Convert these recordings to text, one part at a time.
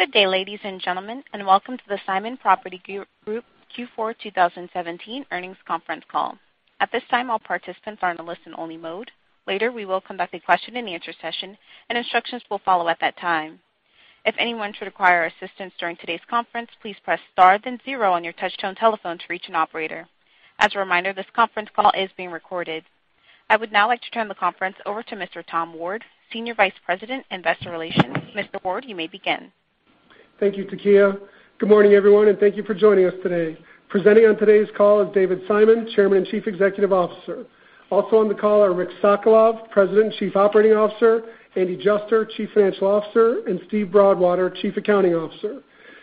Good day, ladies and gentlemen, and welcome to the Simon Property Group Q4 2017 earnings conference call. At this time, all participants are in a listen-only mode. Later, we will conduct a question-and-answer session, and instructions will follow at that time. If anyone should require assistance during today's conference, please press star then zero on your touch-tone telephone to reach an operator. As a reminder, this conference call is being recorded. I would now like to turn the conference over to Mr. Tom Ward, Senior Vice President, Investor Relations. Mr. Ward, you may begin. Thank you, Takia. Good morning, everyone, and thank you for joining us today. Presenting on today's call is David Simon, Chairman and Chief Executive Officer. Also on the call are Rick Sokolov, President, Chief Operating Officer, Andy Juster, Chief Financial Officer, and Steve Broadwater, Chief Accounting Officer.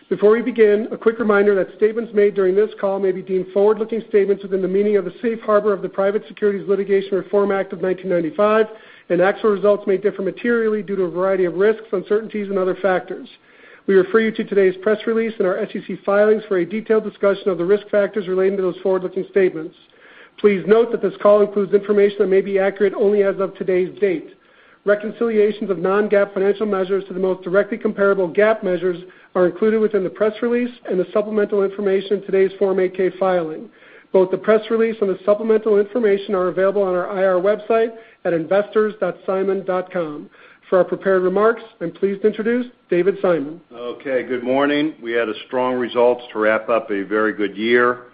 Before we begin, a quick reminder that statements made during this call may be deemed forward-looking statements within the meaning of the Safe Harbor of the Private Securities Litigation Reform Act of 1995, and actual results may differ materially due to a variety of risks, uncertainties, and other factors. We refer you to today's press release and our SEC filings for a detailed discussion of the risk factors relating to those forward-looking statements. Please note that this call includes information that may be accurate only as of today's date. Reconciliations of non-GAAP financial measures to the most directly comparable GAAP measures are included within the press release and the supplemental information in today's Form 8-K filing. Both the press release and the supplemental information are available on our IR website at investors.simon.com. For our prepared remarks, I'm pleased to introduce David Simon. Okay, good morning. We had strong results to wrap up a very good year.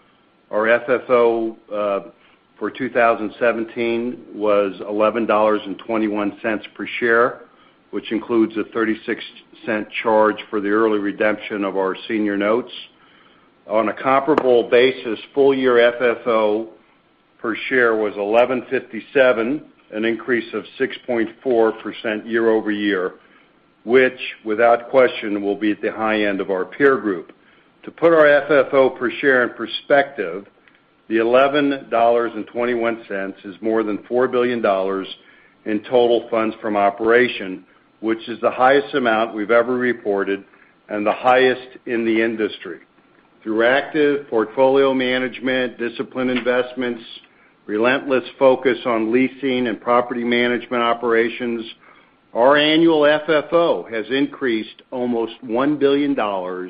Our FFO for 2017 was $11.21 per share, which includes a $0.36 charge for the early redemption of our senior notes. On a comparable basis, full year FFO per share was $11.57, an increase of 6.4% year-over-year, which, without question, will be at the high end of our peer group. To put our FFO per share in perspective, the $11.21 is more than $4 billion in total funds from operation, which is the highest amount we've ever reported and the highest in the industry. Through active portfolio management, disciplined investments, relentless focus on leasing and property management operations, our annual FFO has increased almost $1 billion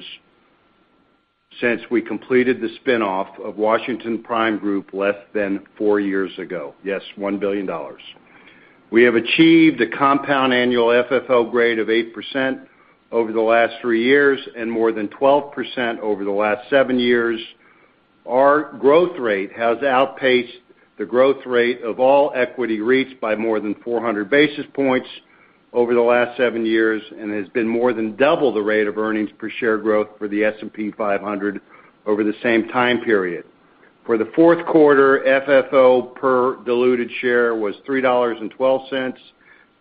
since we completed the spin-off of Washington Prime Group less than four years ago. Yes, $1 billion. We have achieved a compound annual FFO growth rate of 8% over the last three years and more than 12% over the last seven years. Our growth rate has outpaced the growth rate of all equity REITs by more than 400 basis points over the last seven years and has been more than double the rate of earnings per share growth for the S&P 500 over the same time period. For the fourth quarter, FFO per diluted share was $3.12,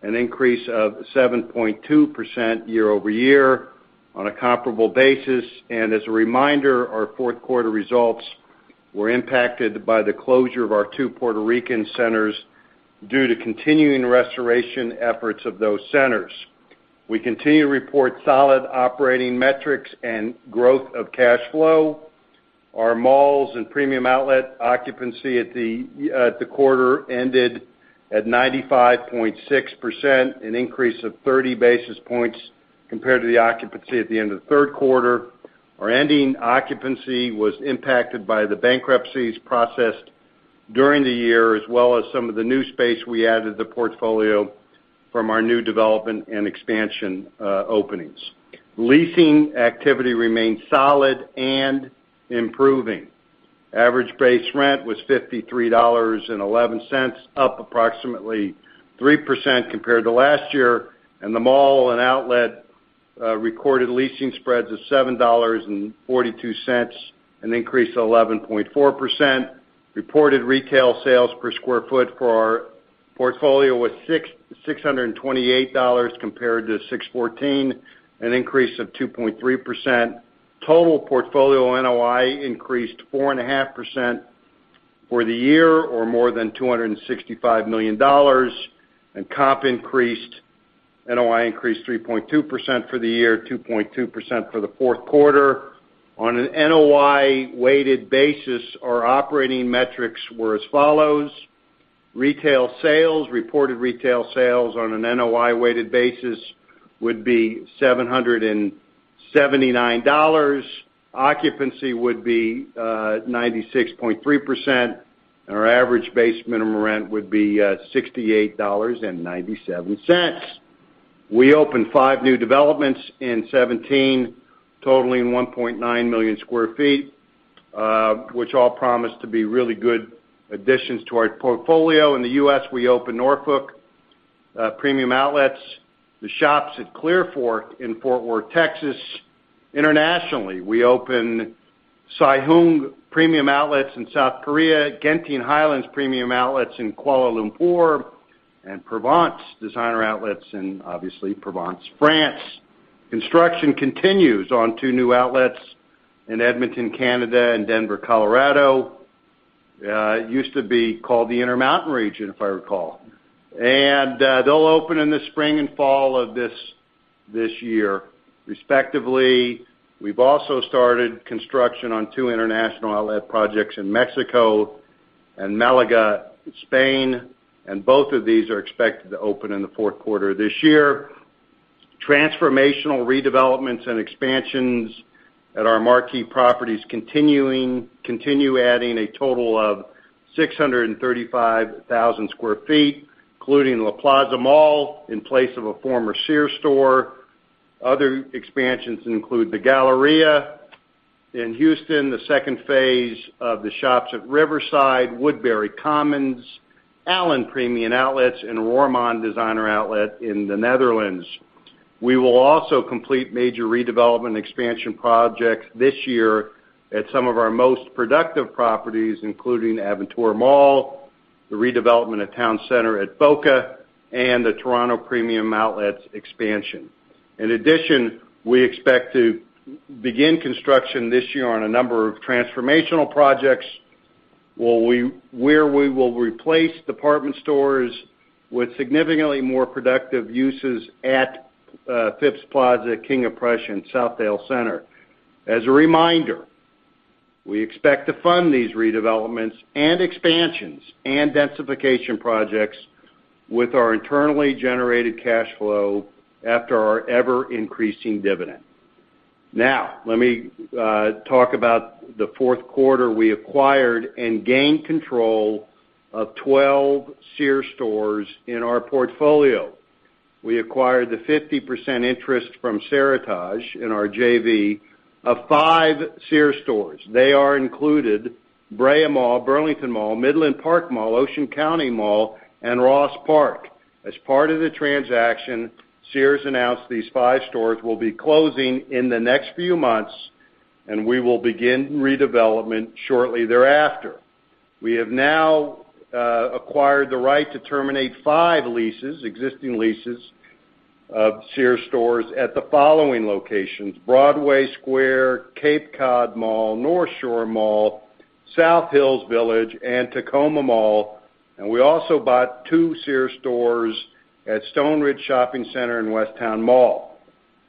an increase of 7.2% year-over-year on a comparable basis. As a reminder, our fourth quarter results were impacted by the closure of our two Puerto Rican centers due to continuing restoration efforts of those centers. We continue to report solid operating metrics and growth of cash flow. Our malls and Premium Outlet occupancy at the quarter ended at 95.6%, an increase of 30 basis points compared to the occupancy at the end of the third quarter. Our ending occupancy was impacted by the bankruptcies processed during the year, as well as some of the new space we added to the portfolio from our new development and expansion openings. Leasing activity remained solid and improving. Average base rent was $53.11, up approximately 3% compared to last year. The mall and outlet recorded leasing spreads of $7.42, an increase of 11.4%. Reported retail sales per square foot for our portfolio was $628, compared to $614, an increase of 2.3%. Total portfolio NOI increased 4.5% for the year, or more than $265 million. Comp increased, NOI increased 3.2% for the year, 2.2% for the fourth quarter. On an NOI-weighted basis, our operating metrics were as follows: retail sales, reported retail sales on an NOI-weighted basis would be $779, occupancy would be 96.3%, and our average base minimum rent would be $68.97. We opened five new developments in 2017, totaling 1.9 million sq ft, which all promise to be really good additions to our portfolio. In the U.S., we opened Norfolk Premium Outlets, The Shops at Clearfork in Fort Worth, Texas. Internationally, we opened Siheung Premium Outlets in South Korea, Genting Highlands Premium Outlets in Kuala Lumpur, and Provence Designer Outlets in, obviously, Provence, France. Construction continues on two new outlets in Edmonton, Canada, and Denver, Colorado. It used to be called the Intermountain Region, if I recall. They'll open in the spring and fall of this year, respectively. We've also started construction on two international outlet projects in Mexico and Málaga, Spain. Both of these are expected to open in the fourth quarter of this year. Transformational redevelopments and expansions at our marquee properties continue adding a total of 635,000 sq ft, including La Plaza Mall, in place of a former Sears store. Other expansions include The Galleria in Houston, the second phase of The Shops at Riverside, Woodbury Common, Allen Premium Outlets, and Roermond Designer Outlet in the Netherlands. We will also complete major redevelopment and expansion projects this year at some of our most productive properties, including Aventura Mall, the redevelopment of Town Center at Boca, and the Toronto Premium Outlets expansion. In addition, we expect to begin construction this year on a number of transformational projects where we will replace department stores with significantly more productive uses at Phipps Plaza, King of Prussia, and Southdale Center. As a reminder, we expect to fund these redevelopments and expansions and densification projects with our internally generated cash flow after our ever-increasing dividend. Let me talk about the fourth quarter. We acquired and gained control of 12 Sears stores in our portfolio. We acquired the 50% interest from Seritage in our JV of five Sears stores. They are included Brea Mall, Burlington Mall, Midland Park Mall, Ocean County Mall, and Ross Park. As part of the transaction, Sears announced these five stores will be closing in the next few months, and we will begin redevelopment shortly thereafter. We have now acquired the right to terminate five leases, existing leases of Sears stores at the following locations, Broadway Square, Cape Cod Mall, Northshore Mall, South Hills Village, and Tacoma Mall, and we also bought two Sears stores at Stoneridge Shopping Center and West Town Mall.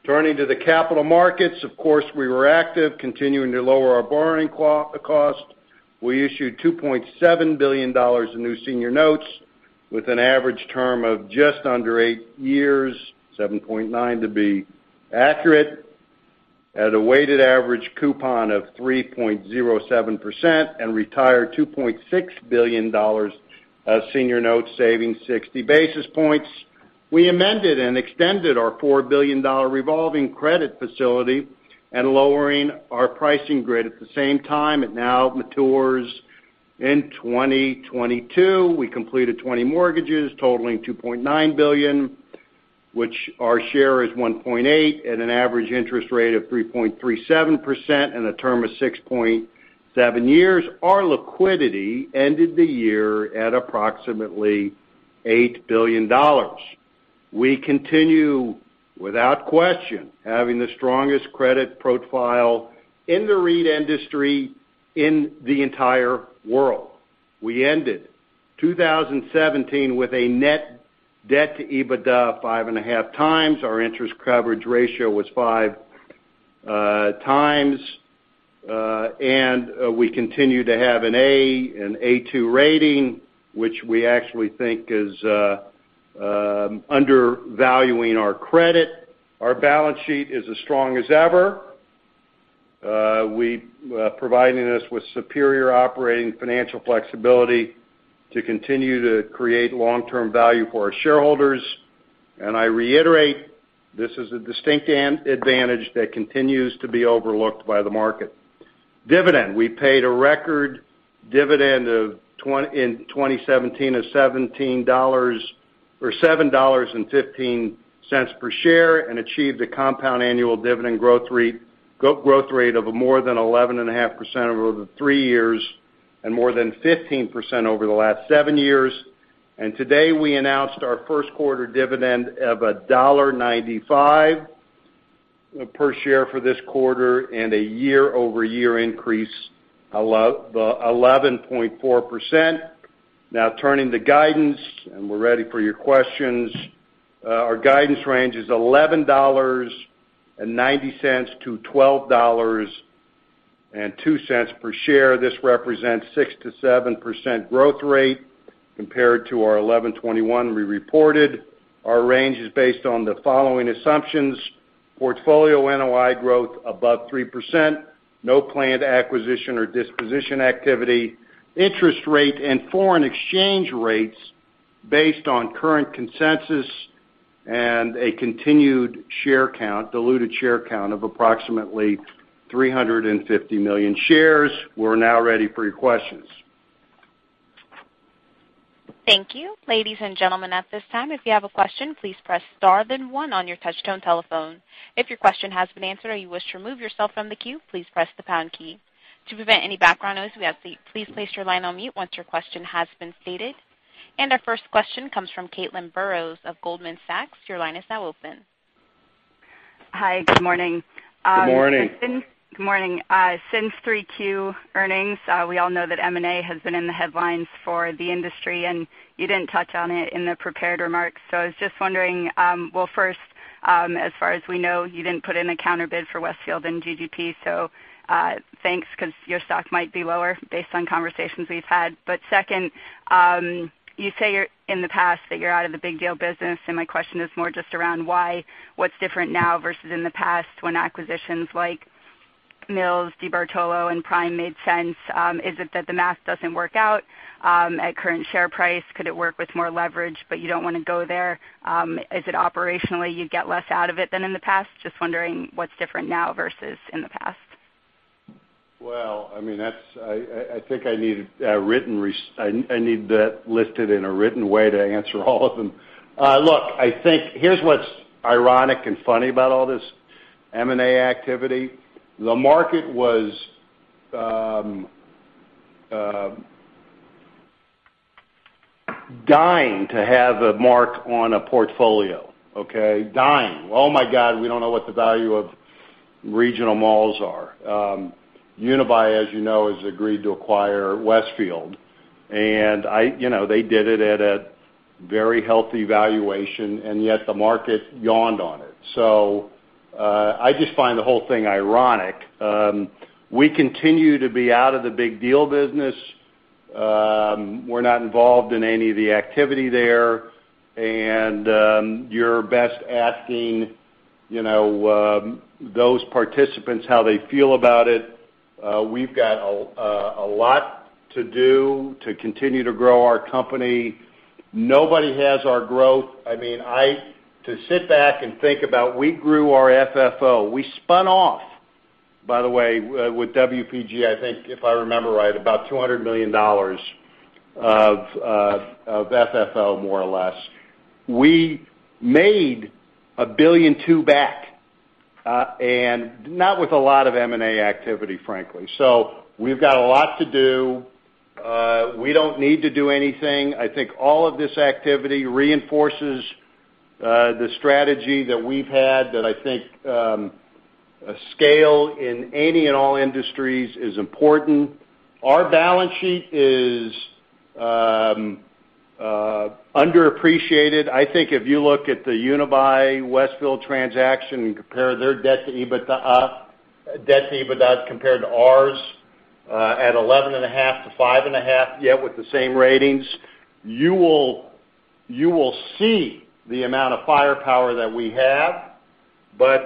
Turning to the capital markets, of course, we were active, continuing to lower our borrowing cost. We issued $2.7 billion in new senior notes with an average term of just under eight years, 7.9 to be accurate, at a weighted average coupon of 3.07% and retired $2.6 billion of senior notes, saving 60 basis points. We amended and extended our $4 billion revolving credit facility and lowering our pricing grid at the same time. It now matures in 2022. We completed 20 mortgages totaling $2.9 billion, which our share is 1.8 at an average interest rate of 3.37% and a term of 6.7 years. Our liquidity ended the year at approximately $8 billion. We continue, without question, having the strongest credit profile in the REIT industry in the entire world. We ended 2017 with a net debt to EBITDA of five and a half times. Our interest coverage ratio was five times. We continue to have an A, an A2 rating, which we actually think is undervaluing our credit. Our balance sheet is as strong as ever, providing us with superior operating financial flexibility to continue to create long-term value for our shareholders. I reiterate, this is a distinct advantage that continues to be overlooked by the market. Dividend. We paid a record dividend in 2017 of $7.15 per share and achieved a compound annual dividend growth rate of more than 11.5% over the three years and more than 15% over the last seven years. Today, we announced our first quarter dividend of $1.95 per share for this quarter and a year-over-year increase of 11.4%. Turning to guidance, and we're ready for your questions. Our guidance range is $11.90 to $12.02 per share. This represents 6%-7% growth rate compared to our 11.21 we reported. Our range is based on the following assumptions, portfolio NOI growth above 3%, no planned acquisition or disposition activity, interest rate and foreign exchange rates based on current consensus and a continued share count, diluted share count of approximately 350 million shares. We're now ready for your questions. Thank you. Ladies and gentlemen, at this time, if you have a question, please press star then one on your touchtone telephone. If your question has been answered or you wish to remove yourself from the queue, please press the pound key. To prevent any background noise, we ask that you please place your line on mute once your question has been stated. Our first question comes from Caitlin Burrows of Goldman Sachs. Your line is now open. Hi, good morning. Good morning. Good morning. Since 3Q earnings, we all know that M&A has been in the headlines for the industry, you didn't touch on it in the prepared remarks. I was just wondering, well, first, as far as we know, you didn't put in a counter bid for Westfield and GGP. Thanks, because your stock might be lower based on conversations we've had. Second, you say in the past that you're out of the big deal business, my question is more just around why? What's different now versus in the past when acquisitions like Mills, DeBartolo, and Prime made sense? Is it that the math doesn't work out at current share price? Could it work with more leverage, but you don't want to go there? Is it operationally, you'd get less out of it than in the past? Just wondering what's different now versus in the past. Well, I think I need that listed in a written way to answer all of them. Look, here's what's ironic and funny about all this M&A activity. The market was dying to have a mark on a portfolio. Okay. Dying. Oh, my God, we don't know what the value of regional malls are. Unibail-Rodamco, as you know, has agreed to acquire Westfield, and they did it at a very healthy valuation, yet the market yawned on it. I just find the whole thing ironic. We continue to be out of the big deal business. We're not involved in any of the activity there. You're best asking those participants how they feel about it. We've got a lot to do to continue to grow our company. Nobody has our growth. To sit back and think about we grew our FFO, we spun off, by the way, with WPG, I think, if I remember right, about $200 million of FFO, more or less. We made $1.2 billion back, not with a lot of M&A activity, frankly. We've got a lot to do. We don't need to do anything. I think all of this activity reinforces the strategy that we've had that I think scale in any and all industries is important. Our balance sheet is underappreciated. I think if you look at the Unibail-Rodamco Westfield transaction and compare their debt to EBITDA compared to ours at 11.5-5.5, yet with the same ratings, you will see the amount of firepower that we have.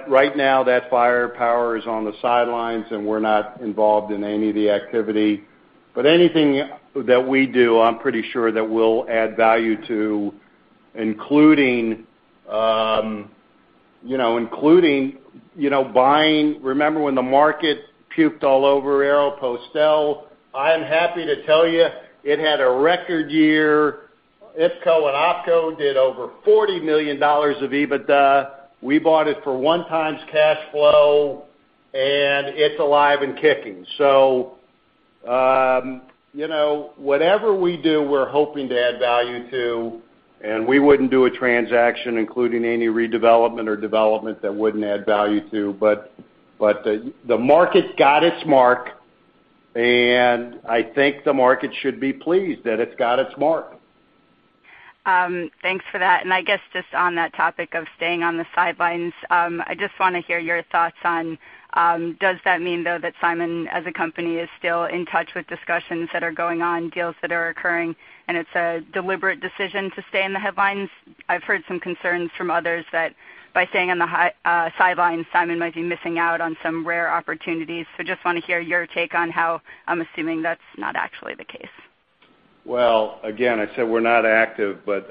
Right now, that firepower is on the sidelines, and we're not involved in any of the activity. Anything that we do, I'm pretty sure that we'll add value to including buying Remember when the market puked all over Aéropostale? I am happy to tell you it had a record year. IPCO and OPCO did over $40 million of EBITDA. We bought it for 1x cash flow, and it's alive and kicking. Whatever we do, we're hoping to add value to, and we wouldn't do a transaction, including any redevelopment or development that wouldn't add value to. The market got its mark, and I think the market should be pleased that it's got its mark. Thanks for that. I guess just on that topic of staying on the sidelines, I just want to hear your thoughts on, does that mean, though, that Simon as a company is still in touch with discussions that are going on, deals that are occurring, and it's a deliberate decision to stay on the sidelines? I've heard some concerns from others that by staying on the sidelines, Simon might be missing out on some rare opportunities. Just want to hear your take on how I'm assuming that's not actually the case. Well, again, I said we're not active in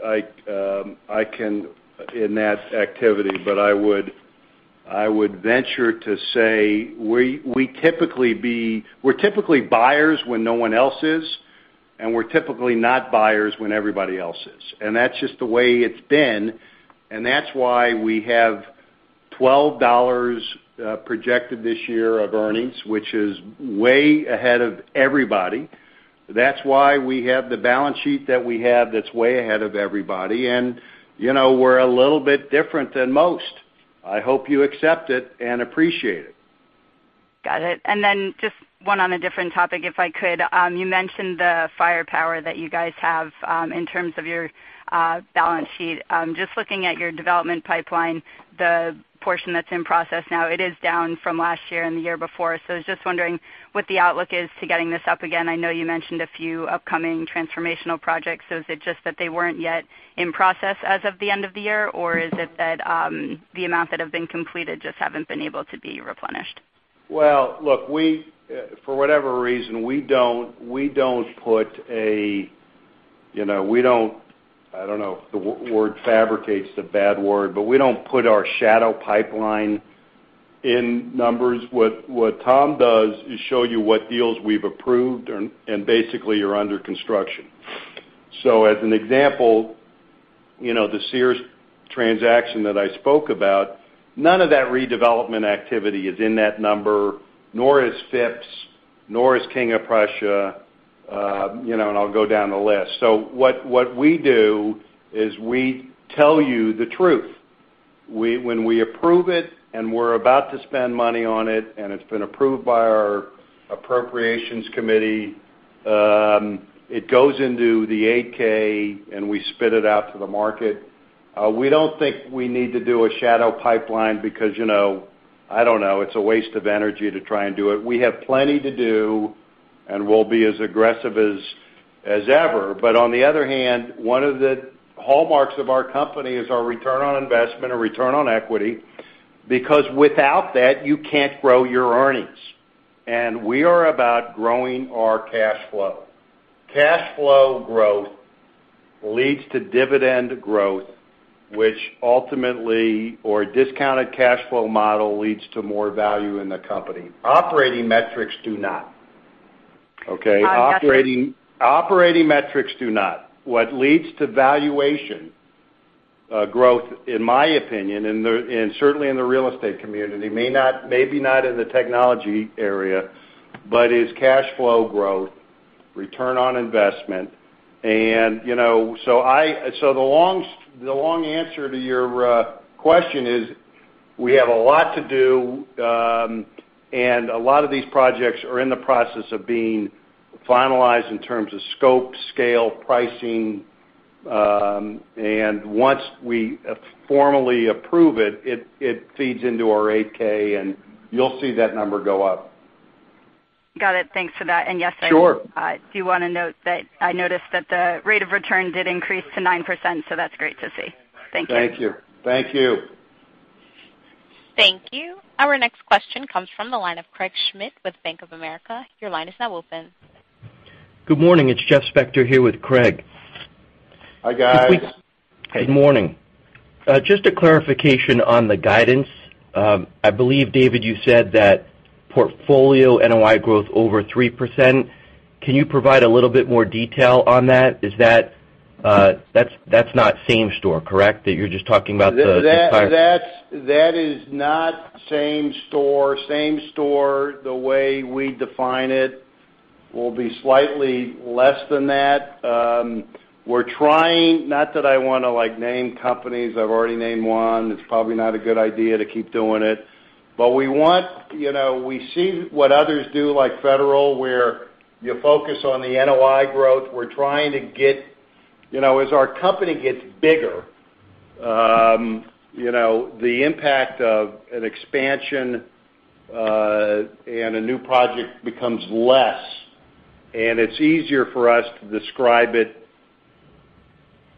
that activity. I would venture to say we're typically buyers when no one else is, and we're typically not buyers when everybody else is. That's just the way it's been, and that's why we have $12 projected this year of earnings, which is way ahead of everybody. That's why we have the balance sheet that we have that's way ahead of everybody. We're a little bit different than most. I hope you accept it and appreciate it. Got it. Then just one on a different topic, if I could. You mentioned the firepower that you guys have in terms of your balance sheet. Just looking at your development pipeline, the portion that's in process now, it is down from last year and the year before. I was just wondering what the outlook is to getting this up again. I know you mentioned a few upcoming transformational projects. Is it just that they weren't yet in process as of the end of the year? Or is it that the amount that have been completed just haven't been able to be replenished? Well, look, for whatever reason, I don't know if the word fabricate is the bad word. We don't put our shadow pipeline in numbers. What Tom does is show you what deals we've approved and basically are under construction. As an example, the Sears transaction that I spoke about, none of that redevelopment activity is in that number, nor is Phipps, nor is King of Prussia, and I'll go down the list. What we do is we tell you the truth. When we approve it and we're about to spend money on it, and it's been approved by our appropriations committee, it goes into the 8-K and we spit it out to the market. We don't think we need to do a shadow pipeline because, I don't know, it's a waste of energy to try and do it. We have plenty to do, we'll be as aggressive as ever. On the other hand, one of the hallmarks of our company is our return on investment and return on equity, because without that, you can't grow your earnings. We are about growing our cash flow. Cash flow growth leads to dividend growth, which ultimately. Discounted cash flow model leads to more value in the company. Operating metrics do not. Okay? I'm not sure. Operating metrics do not. What leads to valuation growth, in my opinion, and certainly in the real estate community, maybe not in the technology area, but is cash flow growth, return on investment, the long answer to your question is, we have a lot to do, and a lot of these projects are in the process of being finalized in terms of scope, scale, pricing. Once we formally approve it feeds into our 8-K, and you'll see that number go up. Got it. Thanks for that. Yes. Sure I do want to note that I noticed that the rate of return did increase to 9%. That's great to see. Thank you. Thank you. Thank you. Our next question comes from the line of Craig Schmidt with Bank of America. Your line is now open. Good morning, it's Jeff Spector here with Craig. Hi, guys. Good morning. Just a clarification on the guidance. I believe, David, you said that portfolio NOI growth over 3%. Can you provide a little bit more detail on that? That's not same store, correct? That is not same store. Same store, the way we define it, will be slightly less than that. We're trying, not that I want to name companies. I've already named one. It's probably not a good idea to keep doing it. We see what others do, like Federal, where you focus on the NOI growth. As our company gets bigger, the impact of an expansion on a new project becomes less, and it's easier for us to describe it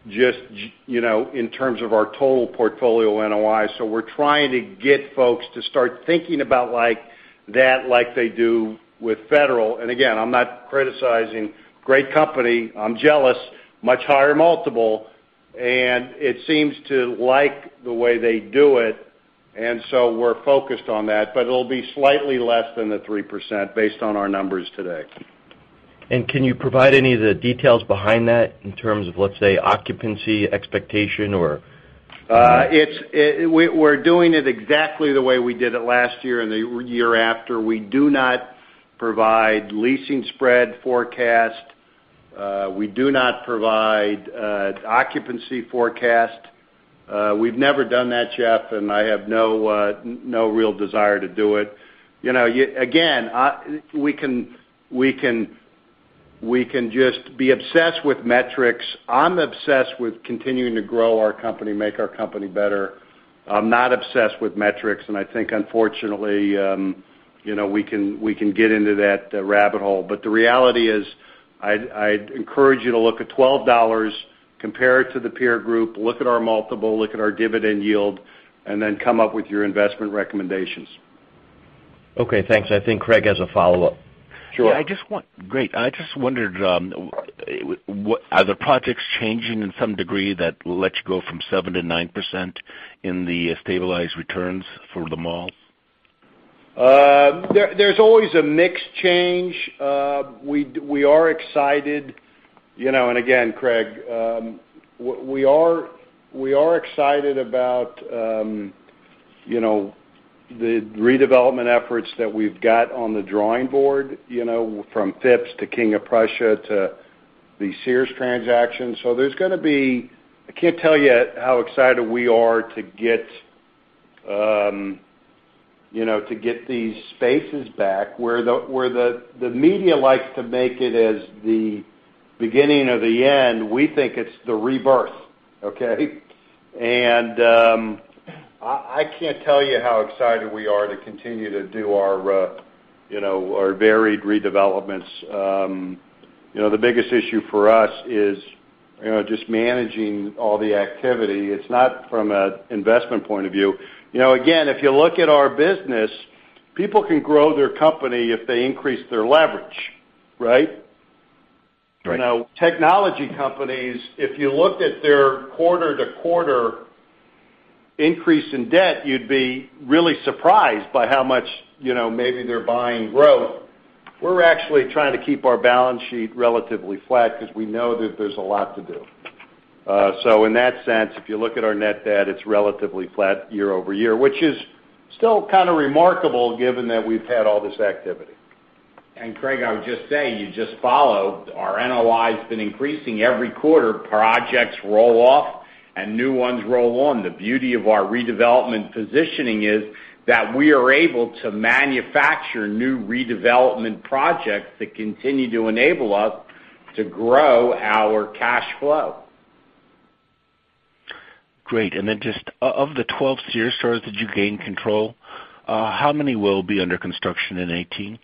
just in terms of our total portfolio NOI. We're trying to get folks to start thinking about that like they do with Federal. Again, I'm not criticizing. Great company. I'm jealous, much higher multiple, and it seems to like the way they do it, and so we're focused on that. It'll be slightly less than the 3% based on our numbers today. Can you provide any of the details behind that in terms of, let's say, occupancy expectation? We're doing it exactly the way we did it last year and the year after. We do not provide leasing spread forecast. We do not provide occupancy forecast. We've never done that, Jeff, and I have no real desire to do it. Again, we can just be obsessed with metrics. I'm obsessed with continuing to grow our company, make our company better. I'm not obsessed with metrics, and I think unfortunately, we can get into that rabbit hole. The reality is, I'd encourage you to look at $12, compare it to the peer group, look at our multiple, look at our dividend yield, and then come up with your investment recommendations. Okay, thanks. I think Craig has a follow-up. Sure. Yeah, great. I just wondered, are the projects changing in some degree that lets you go from 7% to 9% in the stabilized returns for the mall? There's always a mix change. We are excited. Again, Craig, we are excited about the redevelopment efforts that we've got on the drawing board, from Phipps to King of Prussia to the Sears transaction. I can't tell you how excited we are to get these spaces back. Where the media likes to make it as the beginning of the end, we think it's the rebirth, okay? I can't tell you how excited we are to continue to do our varied redevelopments. The biggest issue for us is just managing all the activity. It's not from an investment point of view. Again, if you look at our business, people can grow their company if they increase their leverage. Right? Right. Technology companies, if you looked at their quarter-to-quarter increase in debt, you'd be really surprised by how much maybe they're buying growth. We're actually trying to keep our balance sheet relatively flat because we know that there's a lot to do. In that sense, if you look at our net debt, it's relatively flat year-over-year, which is still kind of remarkable given that we've had all this activity. Craig, I would just say, you just followed our NOI's been increasing every quarter. Projects roll off and new ones roll on. The beauty of our redevelopment positioning is that we are able to manufacture new redevelopment projects that continue to enable us to grow our cash flow. Great. Just of the 12 Sears stores that you gained control, how many will be under construction in 2018?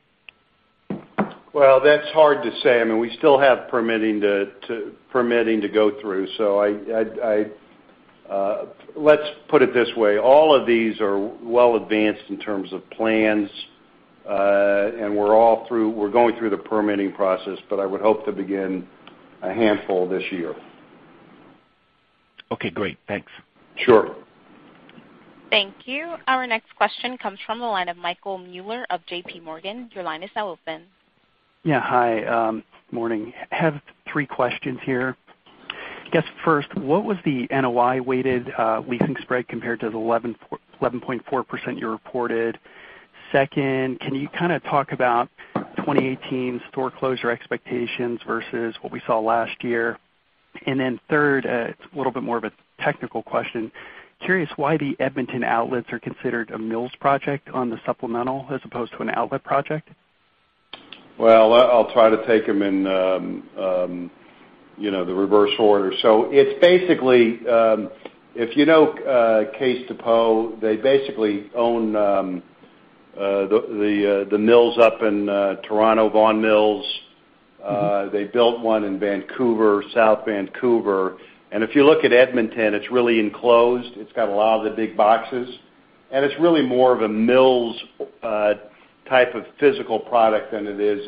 Well, that's hard to say. I mean, we still have permitting to go through. Let's put it this way. All of these are well advanced in terms of plans. We're going through the permitting process, but I would hope to begin a handful this year. Okay, great. Thanks. Sure. Thank you. Our next question comes from the line of Michael Mueller of JPMorgan. Your line is now open. Yeah, hi. Morning. I have three questions here. I guess first, what was the NOI-weighted leasing spread compared to the 11.4% you reported? Second, can you kind of talk about 2018 store closure expectations versus what we saw last year? Then third, it's a little bit more of a technical question. Curious why the Edmonton outlets are considered a Mills project on the supplemental as opposed to an outlet project. I'll try to take them in the reverse order. It's basically, if you know Cadillac Fairview, they basically own the Mills up in Toronto, Vaughan Mills. They built one in Vancouver, South Vancouver. If you look at Edmonton, it's really enclosed. It's got a lot of the big boxes, and it's really more of a Mills type of physical product than it is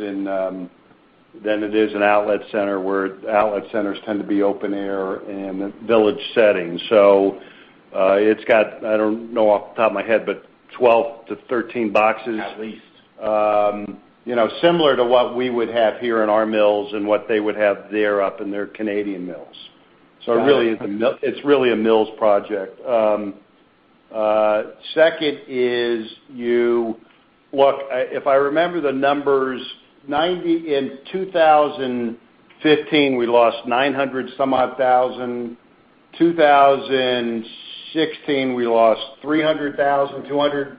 an outlet center where outlet centers tend to be open air in a village setting. It's got, I don't know off the top of my head, but 12 to 13 boxes. At least. Similar to what we would have here in our Mills and what they would have there up in their Canadian Mills. Got it. It's really a Mills project. Second is Look, if I remember the numbers, in 2015, we lost $900 some odd thousand. 2016, we lost $300,000, $250,000-$300,000.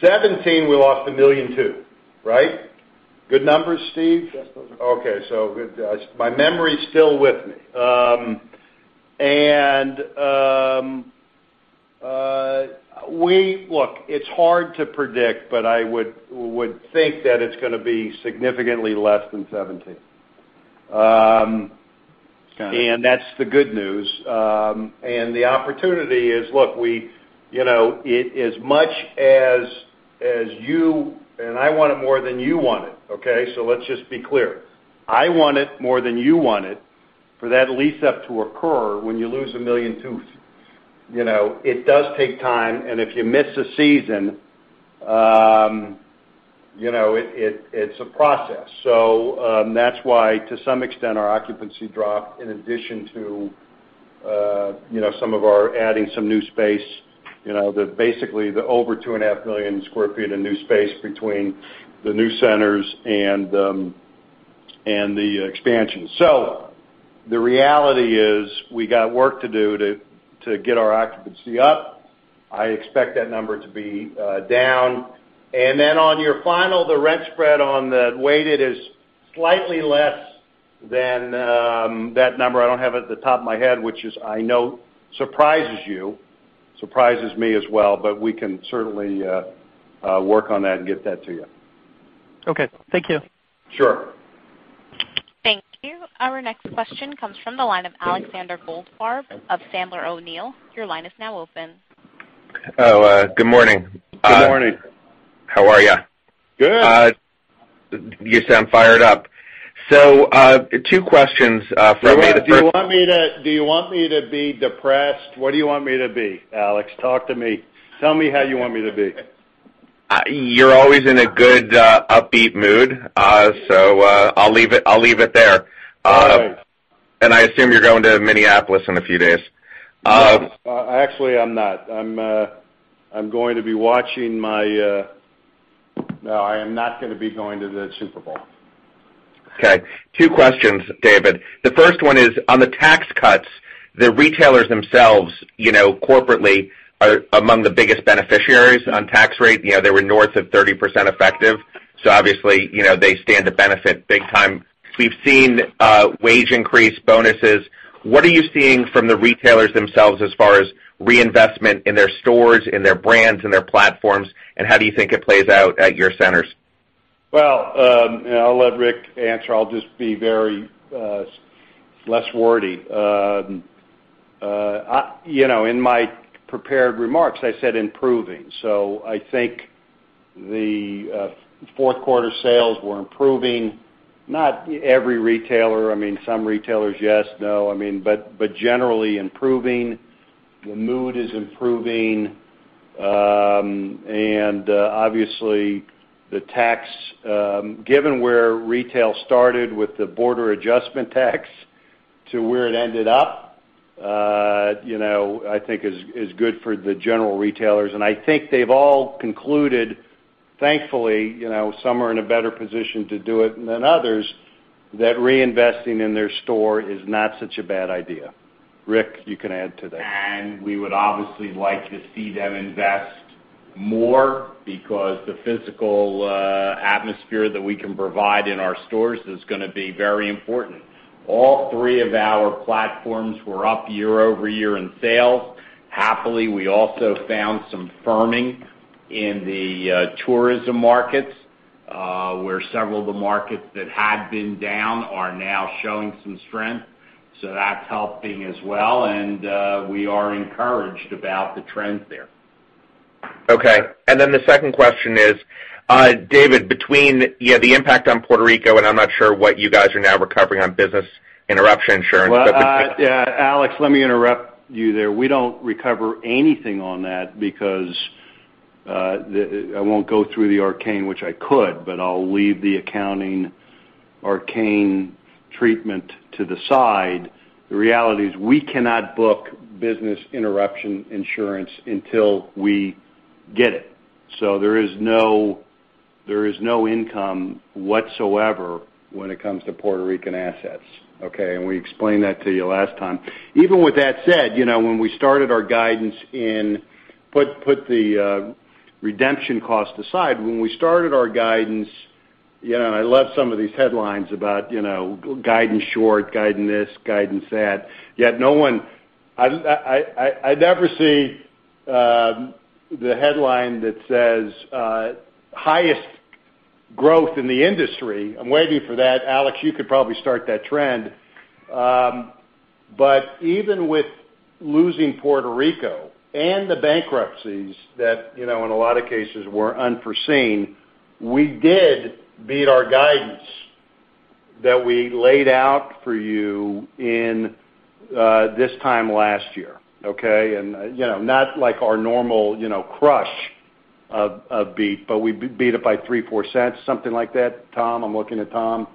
2017, we lost $1.2 million, right? Good numbers, Steve? Yes, those are correct. Okay, my memory's still with me. Look, it's hard to predict, but I would think that it's going to be significantly less than 2017. Got it. That's the good news. The opportunity is, look, as much as you, and I want it more than you want it, okay? Let's just be clear. I want it more than you want it for that lease-up to occur when you lose 1.2 million. It does take time, and if you miss a season, it's a process. That's why, to some extent, our occupancy dropped in addition to some of our adding some new space, basically the over 2.5 million square feet of new space between the new centers and the expansion. The reality is we got work to do to get our occupancy up. I expect that number to be down. Then on your final, the rent spread on the weighted is slightly less than that number. I don't have it at the top of my head, which is, I know surprises you, surprises me as well, but we can certainly work on that and get that to you. Okay. Thank you. Sure. Thank you. Our next question comes from the line of Alexander Goldfarb of Sandler O'Neill. Your line is now open. Oh, good morning. Good morning. How are you? Good. You sound fired up. Two questions for me. The first- Do you want me to be depressed? What do you want me to be, Alex? Talk to me. Tell me how you want me to be. You're always in a good upbeat mood. I'll leave it there. All right. I assume you're going to Minneapolis in a few days. Actually, I'm not. No, I am not going to be going to the Super Bowl. Okay. Two questions, David. The first one is on the tax cuts, the retailers themselves corporately are among the biggest beneficiaries on tax rate. They were north of 30% effective. Obviously, they stand to benefit big time. We've seen wage increase, bonuses. What are you seeing from the retailers themselves as far as reinvestment in their stores, in their brands, in their platforms, and how do you think it plays out at your centers? Well, I'll let Rick answer. I'll just be very less wordy. In my prepared remarks, I said improving. I think the fourth quarter sales were improving. Not every retailer. I mean, some retailers, yes, no. Generally improving. The mood is improving. Obviously, the tax, given where retail started with the border adjustment tax to where it ended up, I think is good for the general retailers. I think they've all concluded, thankfully, some are in a better position to do it than others, that reinvesting in their store is not such a bad idea. Rick, you can add to that. We would obviously like to see them invest more because the physical atmosphere that we can provide in our stores is going to be very important. All three of our platforms were up year-over-year in sales. Happily, we also found some firming in the tourism markets, where several of the markets that had been down are now showing some strength. That's helping as well, and we are encouraged about the trends there. Okay. Then the second question is, David, between the impact on Puerto Rico, and I'm not sure what you guys are now recovering on business interruption insurance. Well, Alex, let me interrupt you there. We don't recover anything on that because I won't go through the arcane, which I could, but I'll leave the accounting arcane treatment to the side. The reality is we cannot book business interruption insurance until we get it. There is no income whatsoever when it comes to Puerto Rican assets, okay? We explained that to you last time. Even with that said, when we started our guidance, put the redemption cost aside. When we started our guidance, I love some of these headlines about guide and short, guide and this, guide and that, yet no one I never see the headline that says highest growth in the industry. I'm waiting for that. Alex, you could probably start that trend. Even with losing Puerto Rico and the bankruptcies that, in a lot of cases, were unforeseen, we did beat our guidance that we laid out for you in this time last year, okay? Not like our normal crush of beat, but we beat it by $0.03, $0.04, something like that. Tom? I'm looking at Tom.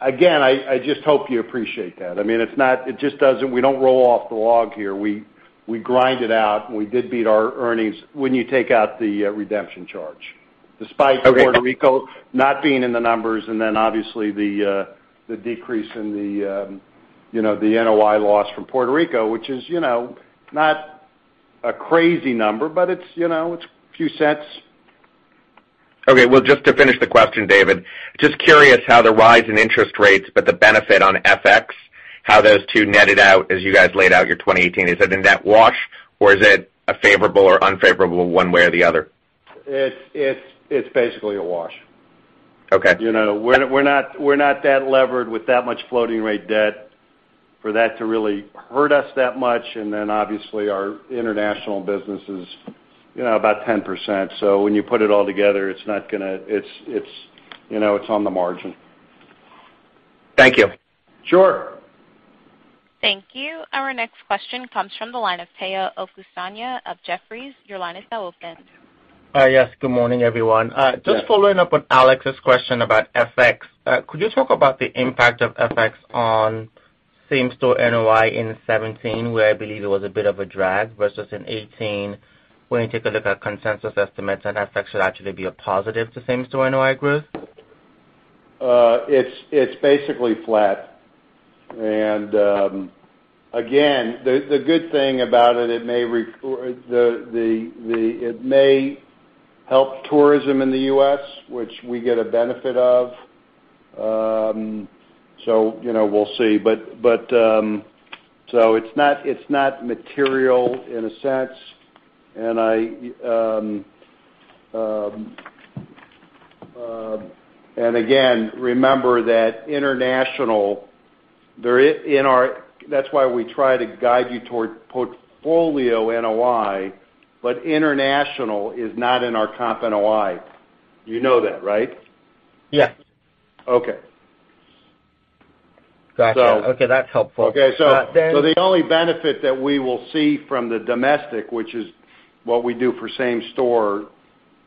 Again, I just hope you appreciate that. We don't roll off the log here. We grind it out, we did beat our earnings when you take out the redemption charge. Okay. Despite Puerto Rico not being in the numbers, and then obviously the decrease in the NOI loss from Puerto Rico, which is not a crazy number, but it's a few cents. Okay. Well, just to finish the question, David. Just curious how the rise in interest rates, but the benefit on FX, how those two netted out as you guys laid out your 2018. Is it a net wash, or is it a favorable or unfavorable one way or the other? It's basically a wash. Okay. We're not that levered with that much floating rate debt for that to really hurt us that much. Obviously, our international business is about 10%. When you put it all together, it's on the margin. Thank you. Sure. Thank you. Our next question comes from the line of Omotayo Okusanya of Jefferies. Your line is now open. Yes. Good morning, everyone. Yes. Just following up on Alex's question about FX. Could you talk about the impact of FX on same-store NOI in 2017, where I believe it was a bit of a drag, versus in 2018, when you take a look at consensus estimates and FX should actually be a positive to same-store NOI growth? It's basically flat. Again, the good thing about it may help tourism in the U.S., which we get a benefit of. We'll see. It's not material in a sense. Again, remember that international. That's why we try to guide you toward portfolio NOI, but international is not in our comp NOI. You know that, right? Yes. Okay. Got you. So- Okay, that's helpful. Okay. Then- The only benefit that we will see from the domestic, which is what we do for same store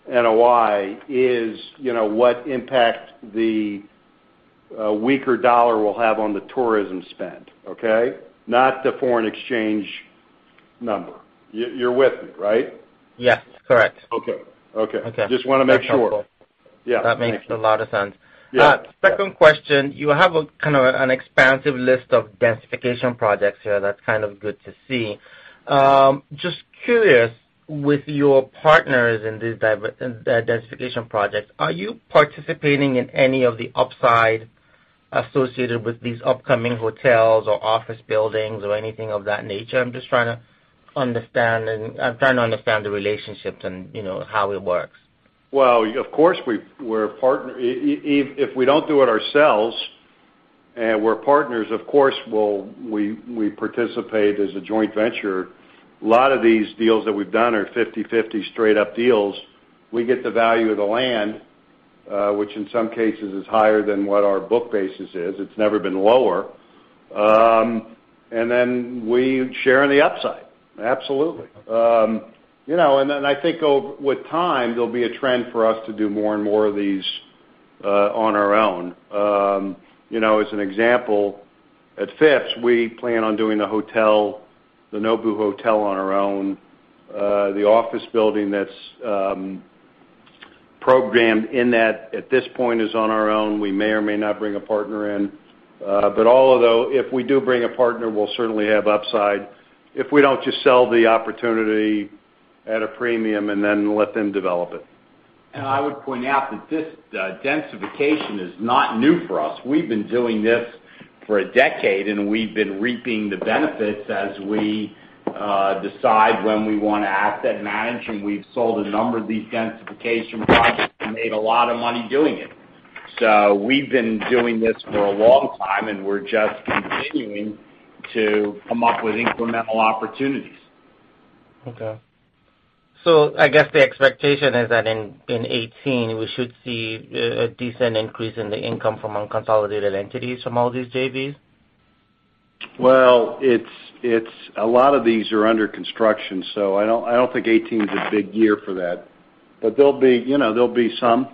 NOI, is what impact the weaker dollar will have on the tourism spend, okay? Not the foreign exchange number. You're with me, right? Yes, correct. Okay. Okay. Just want to make sure. That's helpful. Yeah. Thank you. That makes a lot of sense. Yeah. Second question. You have kind of an expansive list of densification projects here that's kind of good to see. Just curious, with your partners in these densification projects, are you participating in any of the upside associated with these upcoming hotels or office buildings or anything of that nature? I'm just trying to understand the relationships and how it works. Well, of course, we're a partner. If we don't do it ourselves and we're partners, of course, we participate as a joint venture. A lot of these deals that we've done are 50-50 straight up deals. We get the value of the land which in some cases is higher than what our book basis is. It's never been lower. We share in the upside. Absolutely. I think with time, there'll be a trend for us to do more and more of these on our own. As an example, at Phipps, we plan on doing the Nobu Hotel on our own. The office building that's programmed in that at this point is on our own. We may or may not bring a partner in. Although if we do bring a partner, we'll certainly have upside. If we don't, just sell the opportunity at a premium and then let them develop it. I would point out that this densification is not new for us. We've been doing this for a decade, and we've been reaping the benefits as we decide when we want to asset manage, and we've sold a number of these densification projects and made a lot of money doing it. We've been doing this for a long time, and we're just continuing to come up with incremental opportunities. I guess the expectation is that in 2018, we should see a decent increase in the income from unconsolidated entities from all these JVs? A lot of these are under construction, I don't think 2018 is a big year for that. There'll be some.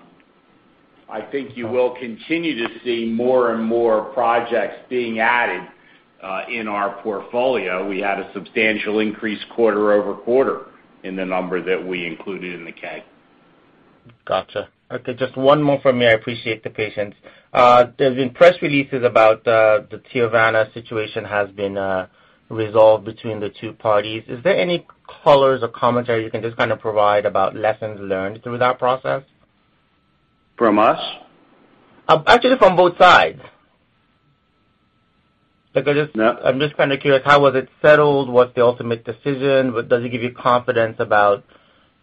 I think you will continue to see more and more projects being added in our portfolio. We had a substantial increase quarter-over-quarter in the number that we included in the K. Got you. Just one more from me. I appreciate the patience. There's been press releases about the Teavana situation has been resolved between the two parties. Is there any colors or commentary you can just kind of provide about lessons learned through that process? From us? Actually, from both sides. No. I'm just kind of curious, how was it settled? What's the ultimate decision? Does it give you confidence? Well-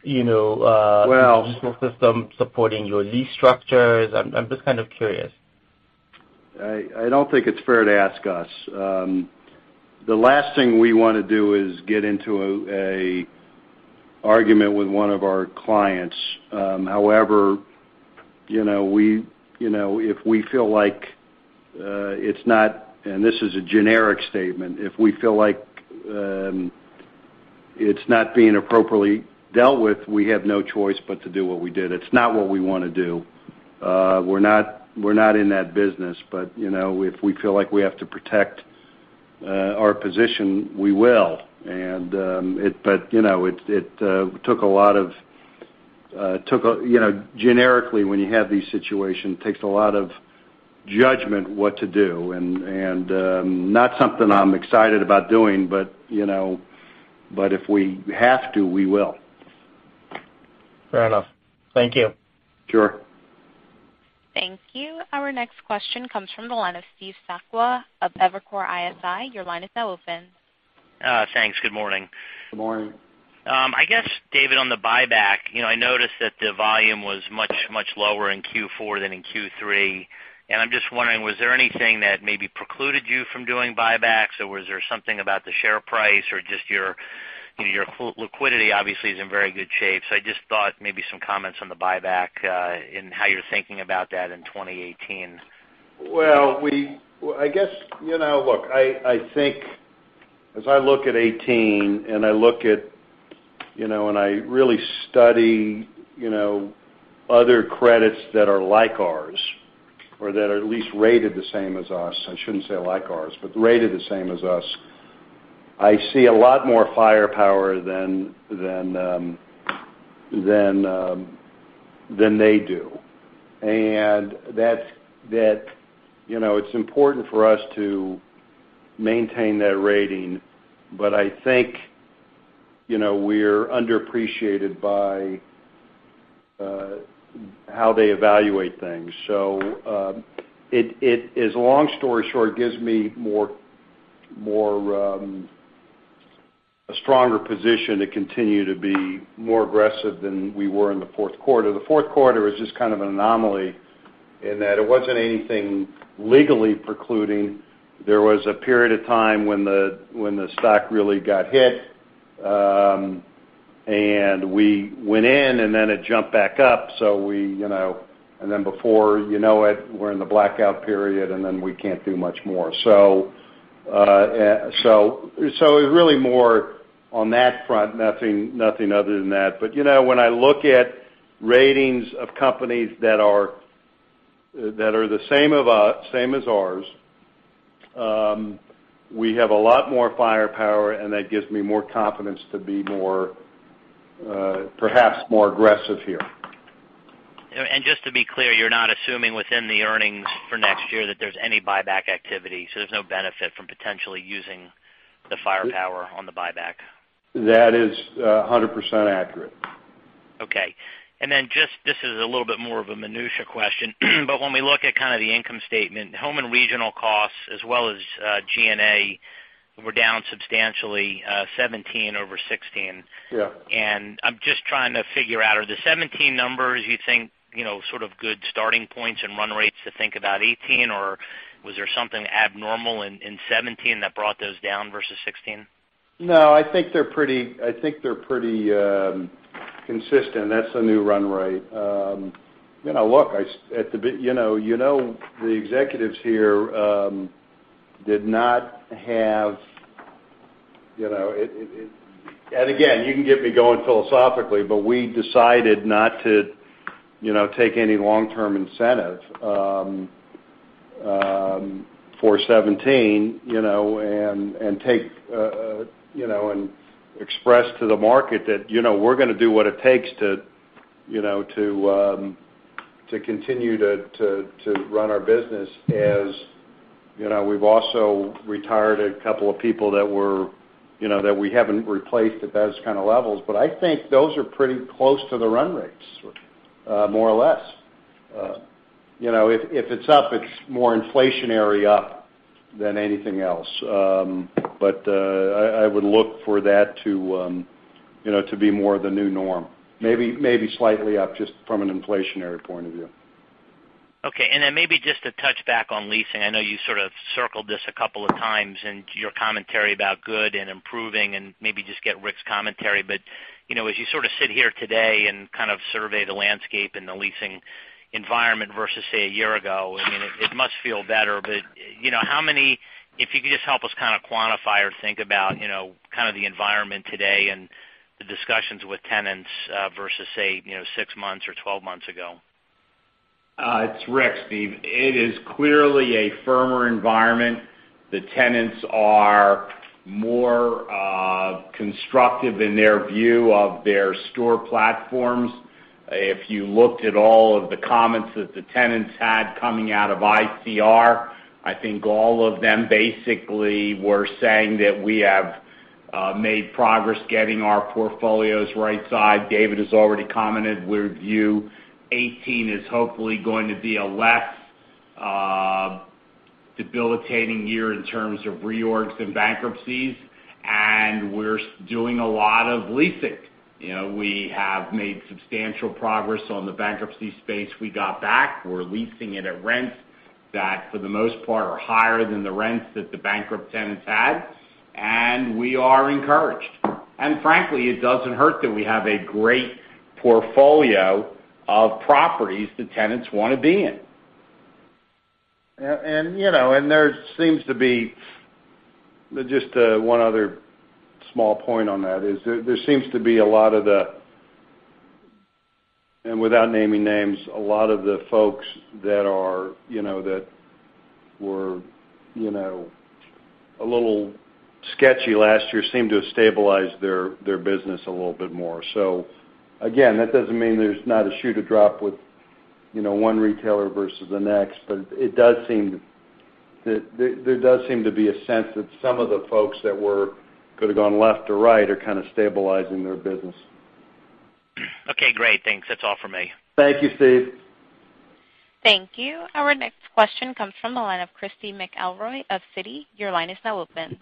The judicial system supporting your lease structures? I'm just kind of curious. I don't think it's fair to ask us. The last thing we want to do is get into an argument with one of our clients. However, if we feel like it's not, and this is a generic statement, if we feel like it's not being appropriately dealt with, we have no choice but to do what we did. It's not what we want to do. We're not in that business, but if we feel like we have to protect our position, we will. Generically, when you have these situations, it takes a lot of judgment what to do, and not something I'm excited about doing, but if we have to, we will. Fair enough. Thank you. Sure. Thank you. Our next question comes from the line of Steve Sakwa of Evercore ISI. Your line is now open. Thanks. Good morning. Good morning. I guess, David, on the buyback, I noticed that the volume was much lower in Q4 than in Q3. I'm just wondering, was there anything that maybe precluded you from doing buybacks, or was there something about the share price or just your liquidity obviously is in very good shape? I just thought maybe some comments on the buyback and how you're thinking about that in 2018. Well, I guess look, I think as I look at 2018 and I really study other credits that are like ours or that are at least rated the same as us, I shouldn't say like ours, but rated the same as us, I see a lot more firepower than they do. It's important for us to maintain that rating, but I think we're underappreciated by how they evaluate things. Long story short, it gives me a stronger position to continue to be more aggressive than we were in the fourth quarter. The fourth quarter was just kind of an anomaly in that it wasn't anything legally precluding. There was a period of time when the stock really got hit. We went in, then it jumped back up. Before you know it, we're in the blackout period, then we can't do much more. It was really more on that front, nothing other than that. When I look at ratings of companies that are the same as ours, we have a lot more firepower, that gives me more confidence to be perhaps more aggressive here. Just to be clear, you're not assuming within the earnings for next year that there's any buyback activity. There's no benefit from potentially using the firepower on the buyback. That is 100% accurate. Okay. Just, this is a little bit more of a minutia question, when we look at kind of the income statement, home and regional costs as well as G&A were down substantially, 2017 over 2016. Yeah. I'm just trying to figure out, are the 2017 numbers you think sort of good starting points and run rates to think about 2018? Or was there something abnormal in 2017 that brought those down versus 2016? No, I think they're pretty consistent. That's a new run rate. You know the executives here did not have. Again, you can get me going philosophically, but we decided not to take any long-term incentive for 2017, and express to the market that we're going to do what it takes to continue to run our business, as we've also retired a couple of people that we haven't replaced at those kind of levels. I think those are pretty close to the run rates, more or less. If it's up, it's more inflationary up than anything else. I would look for that to be more the new norm. Maybe slightly up, just from an inflationary point of view. Okay. Maybe just to touch back on leasing. I know you sort of circled this a couple of times into your commentary about good and improving, and maybe just get Rick's commentary. As you sort of sit here today and kind of survey the landscape and the leasing environment versus, say, a year ago, it must feel better. If you could just help us kind of quantify or think about kind of the environment today and the discussions with tenants, versus, say, six months or 12 months ago. It's Rick, Steve. It is clearly a firmer environment. The tenants are more constructive in their view of their store platforms. If you looked at all of the comments that the tenants had coming out of ICR, I think all of them basically were saying that we have made progress getting our portfolios right-sized. David has already commented, we view 2018 as hopefully going to be a less debilitating year in terms of reorgs and bankruptcies, and we're doing a lot of leasing. We have made substantial progress on the bankruptcy space we got back. We're leasing it at rents that, for the most part, are higher than the rents that the bankrupt tenants had, and we are encouraged. Frankly, it doesn't hurt that we have a great portfolio of properties that tenants want to be in. There seems to be, just one other small point on that is, there seems to be a lot of the, without naming names, a lot of the folks that were a little sketchy last year seem to have stabilized their business a little bit more. Again, that doesn't mean there's not a shoe to drop with one retailer versus the next, there does seem to be a sense that some of the folks that could've gone left or right are kind of stabilizing their business. Okay, great. Thanks. That's all for me. Thank you, Steve. Thank you. Our next question comes from the line of Christy McElroy of Citi. Your line is now open.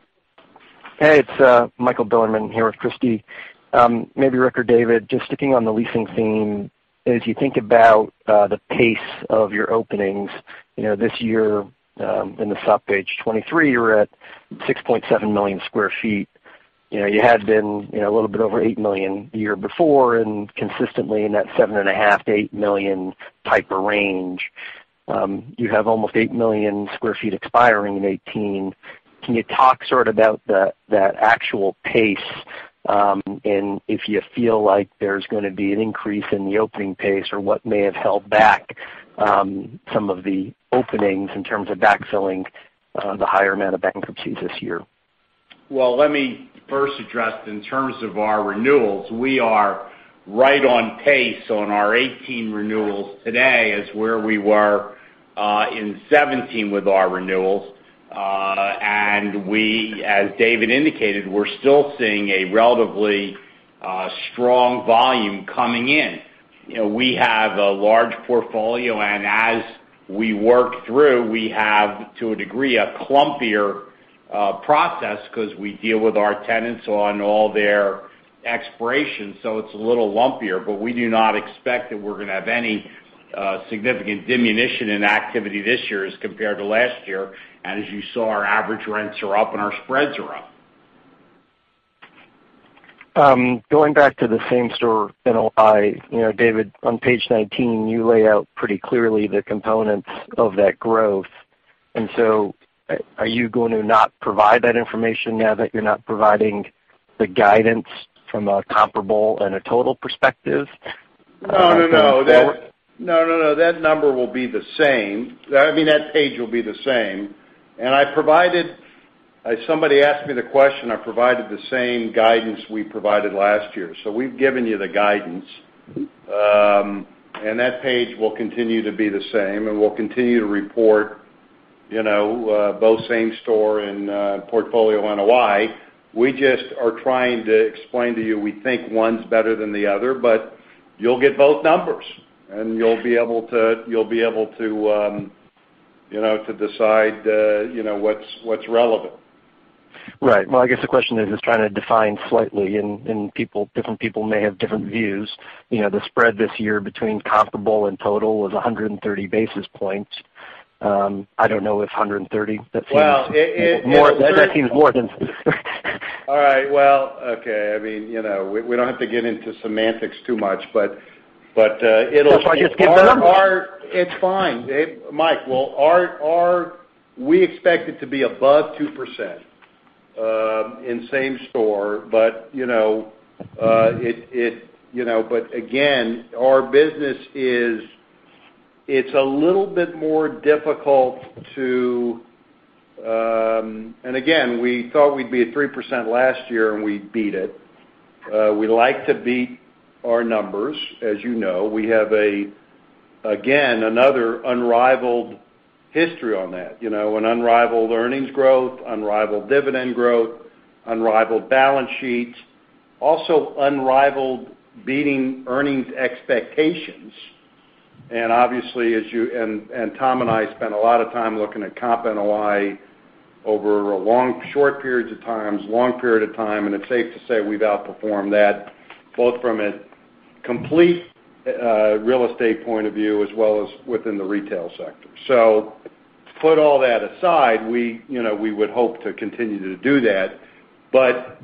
Hey, it's Michael Bilerman here with Christy. Maybe Rick or David, just sticking on the leasing theme, as you think about the pace of your openings this year, in the supp page 23, you were at 6.7 million square feet. You had been a little bit over 8 million the year before, and consistently in that seven and a half million-8 million type of range. You have almost 8 million square feet expiring in 2018. Can you talk sort of about that actual pace, and if you feel like there's going to be an increase in the opening pace, or what may have held back some of the openings in terms of backfilling the higher amount of bankruptcies this year? Well, let me first address in terms of our renewals. We are right on pace on our 2018 renewals today as where we were in 2017 with our renewals. As David indicated, we're still seeing a relatively strong volume coming in. We have a large portfolio and as we work through, we have, to a degree, a clumpier process because we deal with our tenants on all their expirations, so it's a little lumpier. We do not expect that we're going to have any significant diminution in activity this year as compared to last year. As you saw, our average rents are up and our spreads are up. Going back to the same store NOI. David, on page 19, you lay out pretty clearly the components of that growth. Are you going to not provide that information now that you're not providing the guidance from a comparable and a total perspective? No, that number will be the same. I mean, that page will be the same. Somebody asked me the question, I provided the same guidance we provided last year. We've given you the guidance, and that page will continue to be the same, and we'll continue to report both same store and portfolio NOI. We just are trying to explain to you, we think one's better than the other, but you'll get both numbers, and you'll be able to decide what's relevant. Right. Well, I guess the question is just trying to define slightly, and different people may have different views. The spread this year between comparable and total was 130 basis points. I don't know if 130, that seems. Well. more, that seems more than All right. Well, okay. We don't have to get into semantics too much, but. That's why I just give the number. It's fine. Mike, we expect it to be above 2% in same store, but again, our business is a little bit more difficult to. Again, we thought we'd be at 3% last year, and we beat it. We like to beat our numbers, as you know. We have, again, another unrivaled history on that. Unrivaled earnings growth, unrivaled dividend growth, unrivaled balance sheet. Also unrivaled beating earnings expectations. Obviously, as you. Tom and I spent a lot of time looking at comp NOI over short periods of times, long period of time, and it's safe to say we've outperformed that both from a complete real estate point of view as well as within the retail sector. To put all that aside, we would hope to continue to do that. Our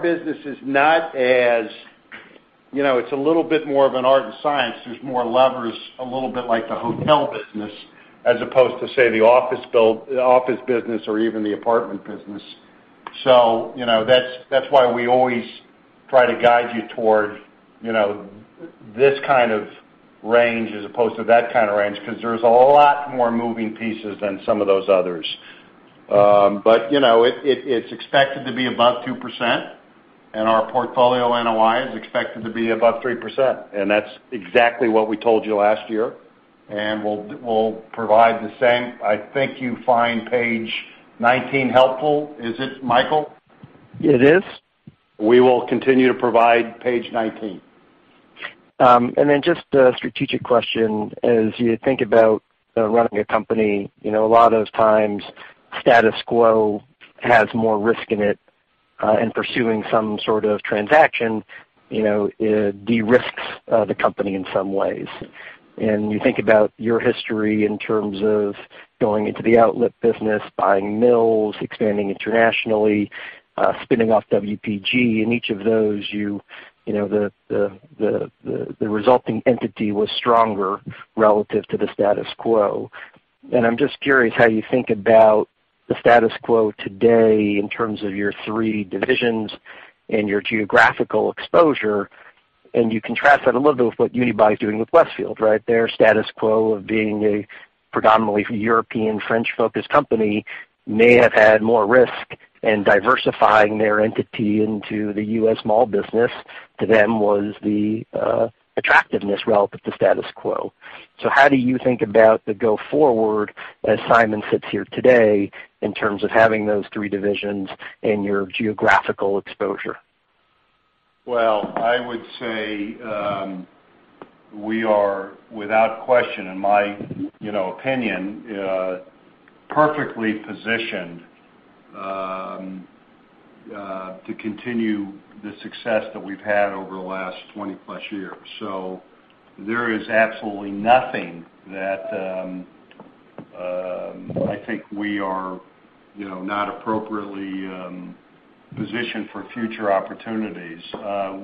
business is not as. It's a little bit more of an art and science. There's more levers, a little bit like the hotel business, as opposed to, say, the office business or even the apartment business. That's why we always try to guide you toward this kind of range as opposed to that kind of range, because there's a lot more moving pieces than some of those others. It's expected to be above 2%, and our portfolio NOI is expected to be above 3%, and that's exactly what we told you last year, and we'll provide the same. I think you find page 19 helpful. Is it, Michael? It is. We will continue to provide page 19. Just a strategic question. As you think about running a company, a lot of times, status quo has more risk in it, and pursuing some sort of transaction, de-risks the company in some ways. You think about your history in terms of going into the outlet business, buying Mills, expanding internationally, spinning off WPG. In each of those, the resulting entity was stronger relative to the status quo. I'm just curious how you think about the status quo today in terms of your three divisions and your geographical exposure, and you contrast that a little bit with what Unibail-Rodamco's doing with Westfield, right? Their status quo of being a predominantly European, French-focused company may have had more risk in diversifying their entity into the U.S. mall business. To them was the attractiveness relative to status quo. How do you think about the go forward as Simon sits here today in terms of having those three divisions and your geographical exposure? Well, I would say, we are, without question, in my opinion, perfectly positioned to continue the success that we've had over the last 20-plus years. There is absolutely nothing that I think we are not appropriately positioned for future opportunities. The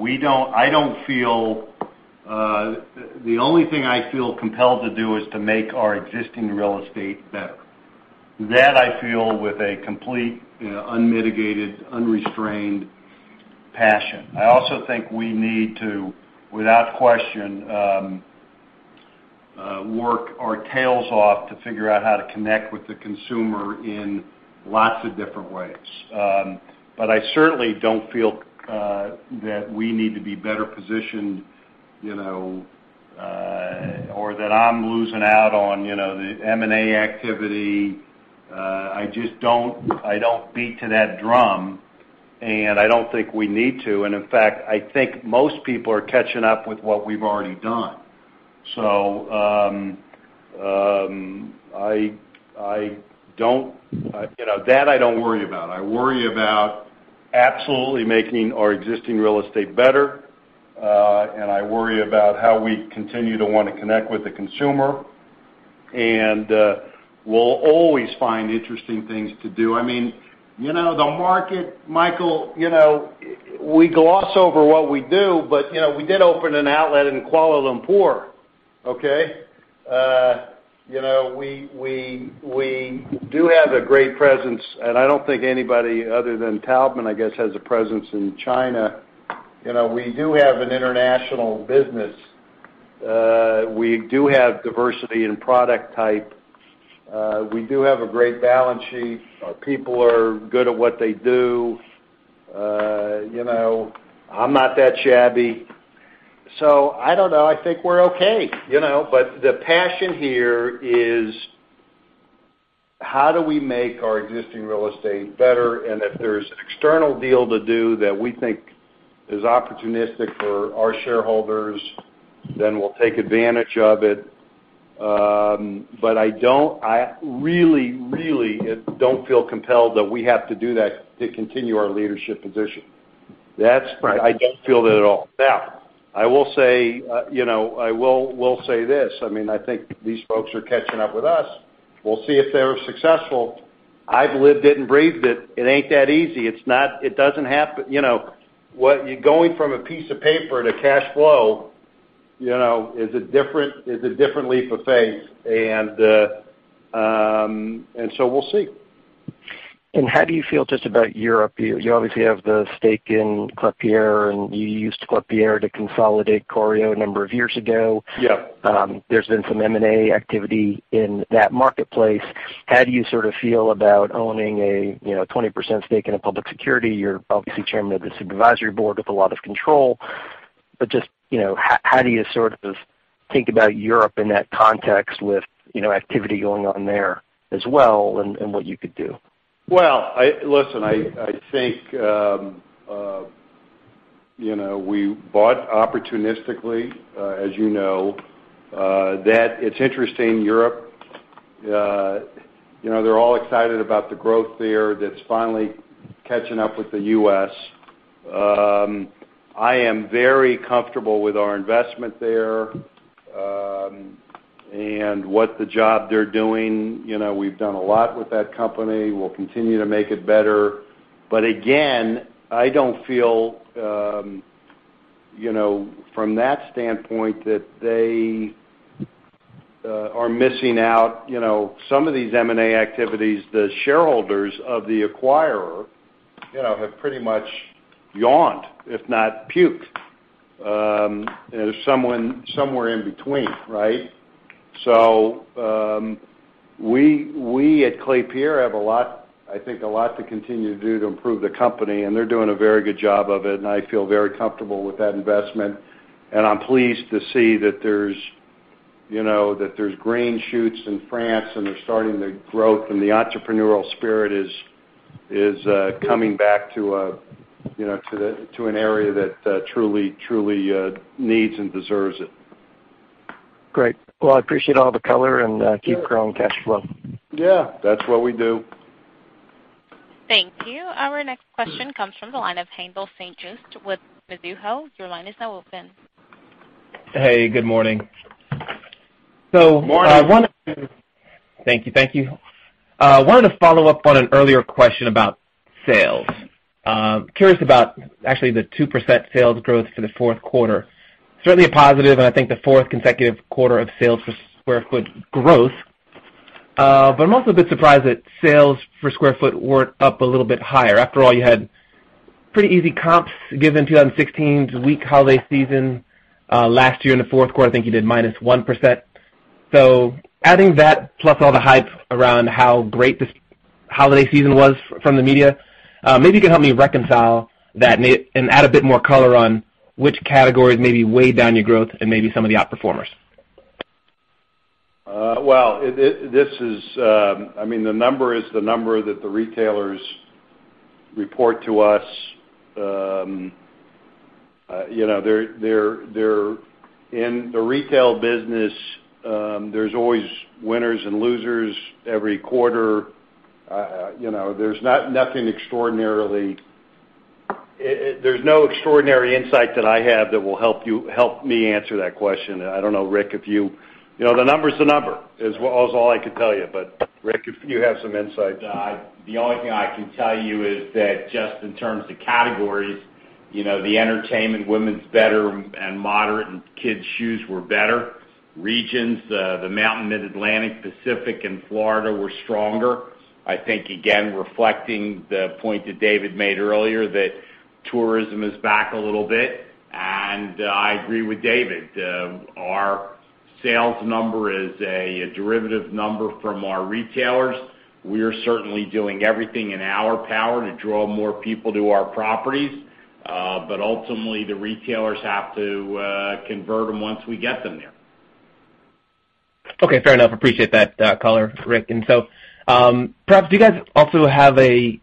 only thing I feel compelled to do is to make our existing real estate better. That I feel with a complete, unmitigated, unrestrained passion. I also think we need to, without question, work our tails off to figure out how to connect with the consumer in lots of different ways. I certainly don't feel that we need to be better positioned, or that I'm losing out on the M&A activity. I just don't beat to that drum, and I don't think we need to. In fact, I think most people are catching up with what we've already done. That I don't worry about. I worry about absolutely making our existing real estate better. I worry about how we continue to want to connect with the consumer. We'll always find interesting things to do. The market, Michael, we gloss over what we do, but we did open an outlet in Kuala Lumpur, okay? We do have a great presence. I don't think anybody other than Taubman, I guess, has a presence in China. We do have an international business. We do have diversity in product type. We do have a great balance sheet. Our people are good at what they do. I'm not that shabby. I don't know, I think we're okay. The passion here is how do we make our existing real estate better, and if there's an external deal to do that we think is opportunistic for our shareholders, we'll take advantage of it. I really, really don't feel compelled that we have to do that to continue our leadership position. That's right. I don't feel that at all. I will say this. I think these folks are catching up with us. We'll see if they're successful. I've lived it and breathed it. It ain't that easy. It doesn't happen. Going from a piece of paper to cash flow is a different leap of faith. We'll see. How do you feel just about Europe? You obviously have the stake in Klépierre, and you used Klépierre to consolidate Corio a number of years ago. Yeah. There's been some M&A activity in that marketplace. How do you sort of feel about owning a 20% stake in a public security? You're obviously chairman of the supervisory board with a lot of control, how do you sort of think about Europe in that context with activity going on there as well, and what you could do? Listen, I think we bought opportunistically, as you know. It's interesting, Europe. They're all excited about the growth there that's finally catching up with the U.S. I am very comfortable with our investment there, and what the job they're doing. We've done a lot with that company. We'll continue to make it better. Again, I don't feel, from that standpoint, that they are missing out. Some of these M&A activities, the shareholders of the acquirer have pretty much yawned, if not puked. Somewhere in between, right? We at Klépierre have a lot, I think, a lot to continue to do to improve the company, and they're doing a very good job of it, and I feel very comfortable with that investment. I'm pleased to see that there's green shoots in France, and they're starting the growth, and the entrepreneurial spirit is coming back to an area that truly needs and deserves it. Great. Well, I appreciate all the color and keep growing cash flow. Yeah. That's what we do. Thank you. Our next question comes from the line of Haendel St. Juste with Mizuho. Your line is now open. Hey, good morning. Morning. Thank you. Wanted to follow up on an earlier question about sales. Curious about actually the 2% sales growth for the fourth quarter. Certainly a positive, and I think the fourth consecutive quarter of sales for square foot growth. I'm also a bit surprised that sales for square foot weren't up a little bit higher. After all, you had pretty easy comps given 2016's weak holiday season. Last year in the fourth quarter, I think you did minus 1%. Adding that plus all the hype around how great this holiday season was from the media, maybe you can help me reconcile that and add a bit more color on which categories maybe weighed down your growth and maybe some of the out-performers. Well, the number is the number that the retailers report to us. In the retail business, there's always winners and losers every quarter. There's no extraordinary insight that I have that will help me answer that question. I don't know. The number's the number, is all I can tell you. Rick, if you have some insights. The only thing I can tell is that just in terms of categories, the entertainment, women's better and moderate, and kids' shoes were better. Regions, the Mountain, Mid-Atlantic, Pacific, and Florida were stronger. I think, again, reflecting the point that David made earlier, that tourism is back a little bit. I agree with David. Our sales number is a derivative number from our retailers. We are certainly doing everything in our power to draw more people to our properties. Ultimately, the retailers have to convert them once we get them there. Okay. Fair enough. Appreciate that color, Rick. Perhaps do you guys also have a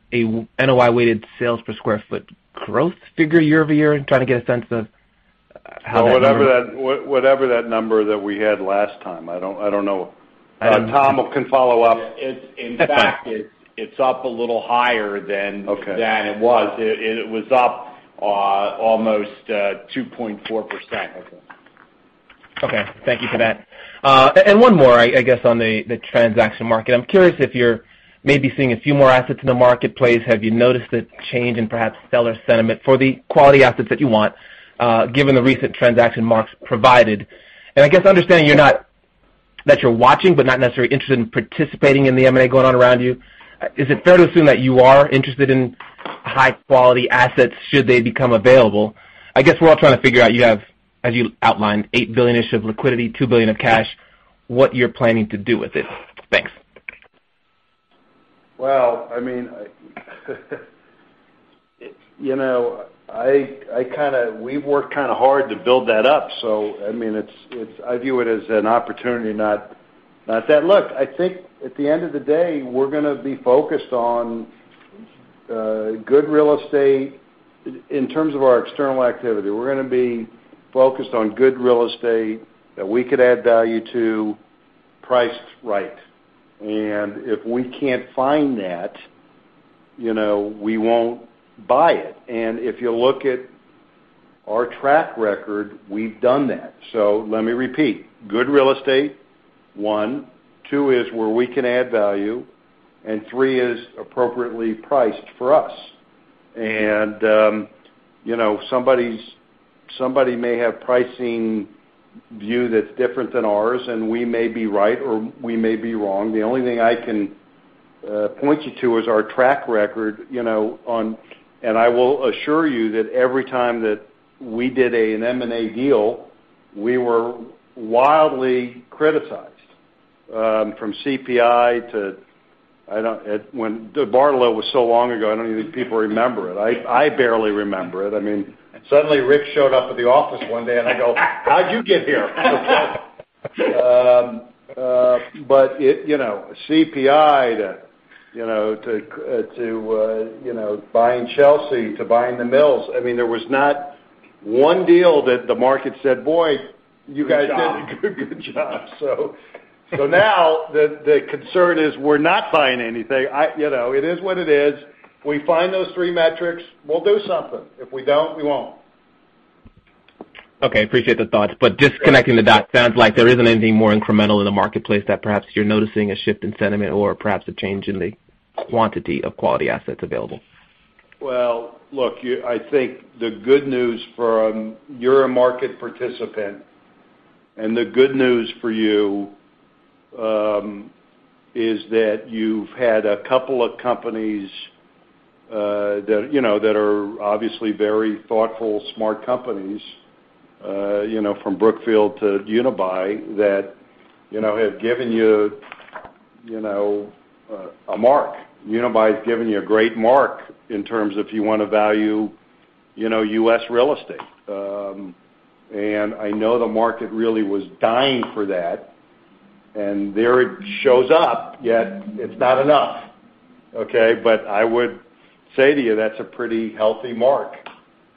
NOI-weighted sales per square foot growth figure year-over-year? I'm trying to get a sense of how that- Whatever that number that we had last time. I don't know. Tom can follow up. In fact, it's up a little higher than- Okay than it was. It was up almost 2.4%. Okay. Thank you for that. One more, I guess, on the transaction market. I'm curious if you're maybe seeing a few more assets in the marketplace. Have you noticed a change in perhaps seller sentiment for the quality assets that you want, given the recent transaction marks provided? I guess understanding that you're watching, but not necessarily interested in participating in the M&A going on around you, is it fair to assume that you are interested in high-quality assets should they become available? I guess we're all trying to figure out, you have, as you outlined, $8 billion-ish of liquidity, $2 billion of cash, what you're planning to do with it. Thanks. Well, we worked kind of hard to build that up. I view it as an opportunity not that Look, I think at the end of the day, we're going to be focused on good real estate in terms of our external activity. We're going to be focused on good real estate that we could add value to priced right. If we can't find that, we won't buy it. If you look at our track record, we've done that. Let me repeat. Good real estate, 1. 2 is where we can add value, and 3 is appropriately priced for us. Somebody may have pricing view that's different than ours, and we may be right or we may be wrong. The only thing I can point you to is our track record, and I will assure you that every time that we did an M&A deal, we were wildly criticized, from CPI to DeBartolo was so long ago, I don't even think people remember it. I barely remember it. Suddenly Rick showed up at the office one day, and I go, "How'd you get here? CPI to buying Chelsea to buying the Mills, there was not one deal that the market said, "Boy, you guys did a good job." Now, the concern is we're not buying anything. It is what it is. We find those three metrics, we'll do something. If we don't, we won't. Okay. Appreciate the thoughts. Just connecting the dots, sounds like there isn't anything more incremental in the marketplace that perhaps you're noticing a shift in sentiment or perhaps a change in the quantity of quality assets available. Well, look, you're a market participant, the good news for you is that you've had a couple of companies that are obviously very thoughtful, smart companies, from Brookfield to Unibail, that have given you a mark. Unibail's given you a great mark in terms of if you want to value U.S. real estate. I know the market really was dying for that, and there it shows up, yet it's not enough. Okay? I would say to you, that's a pretty healthy mark.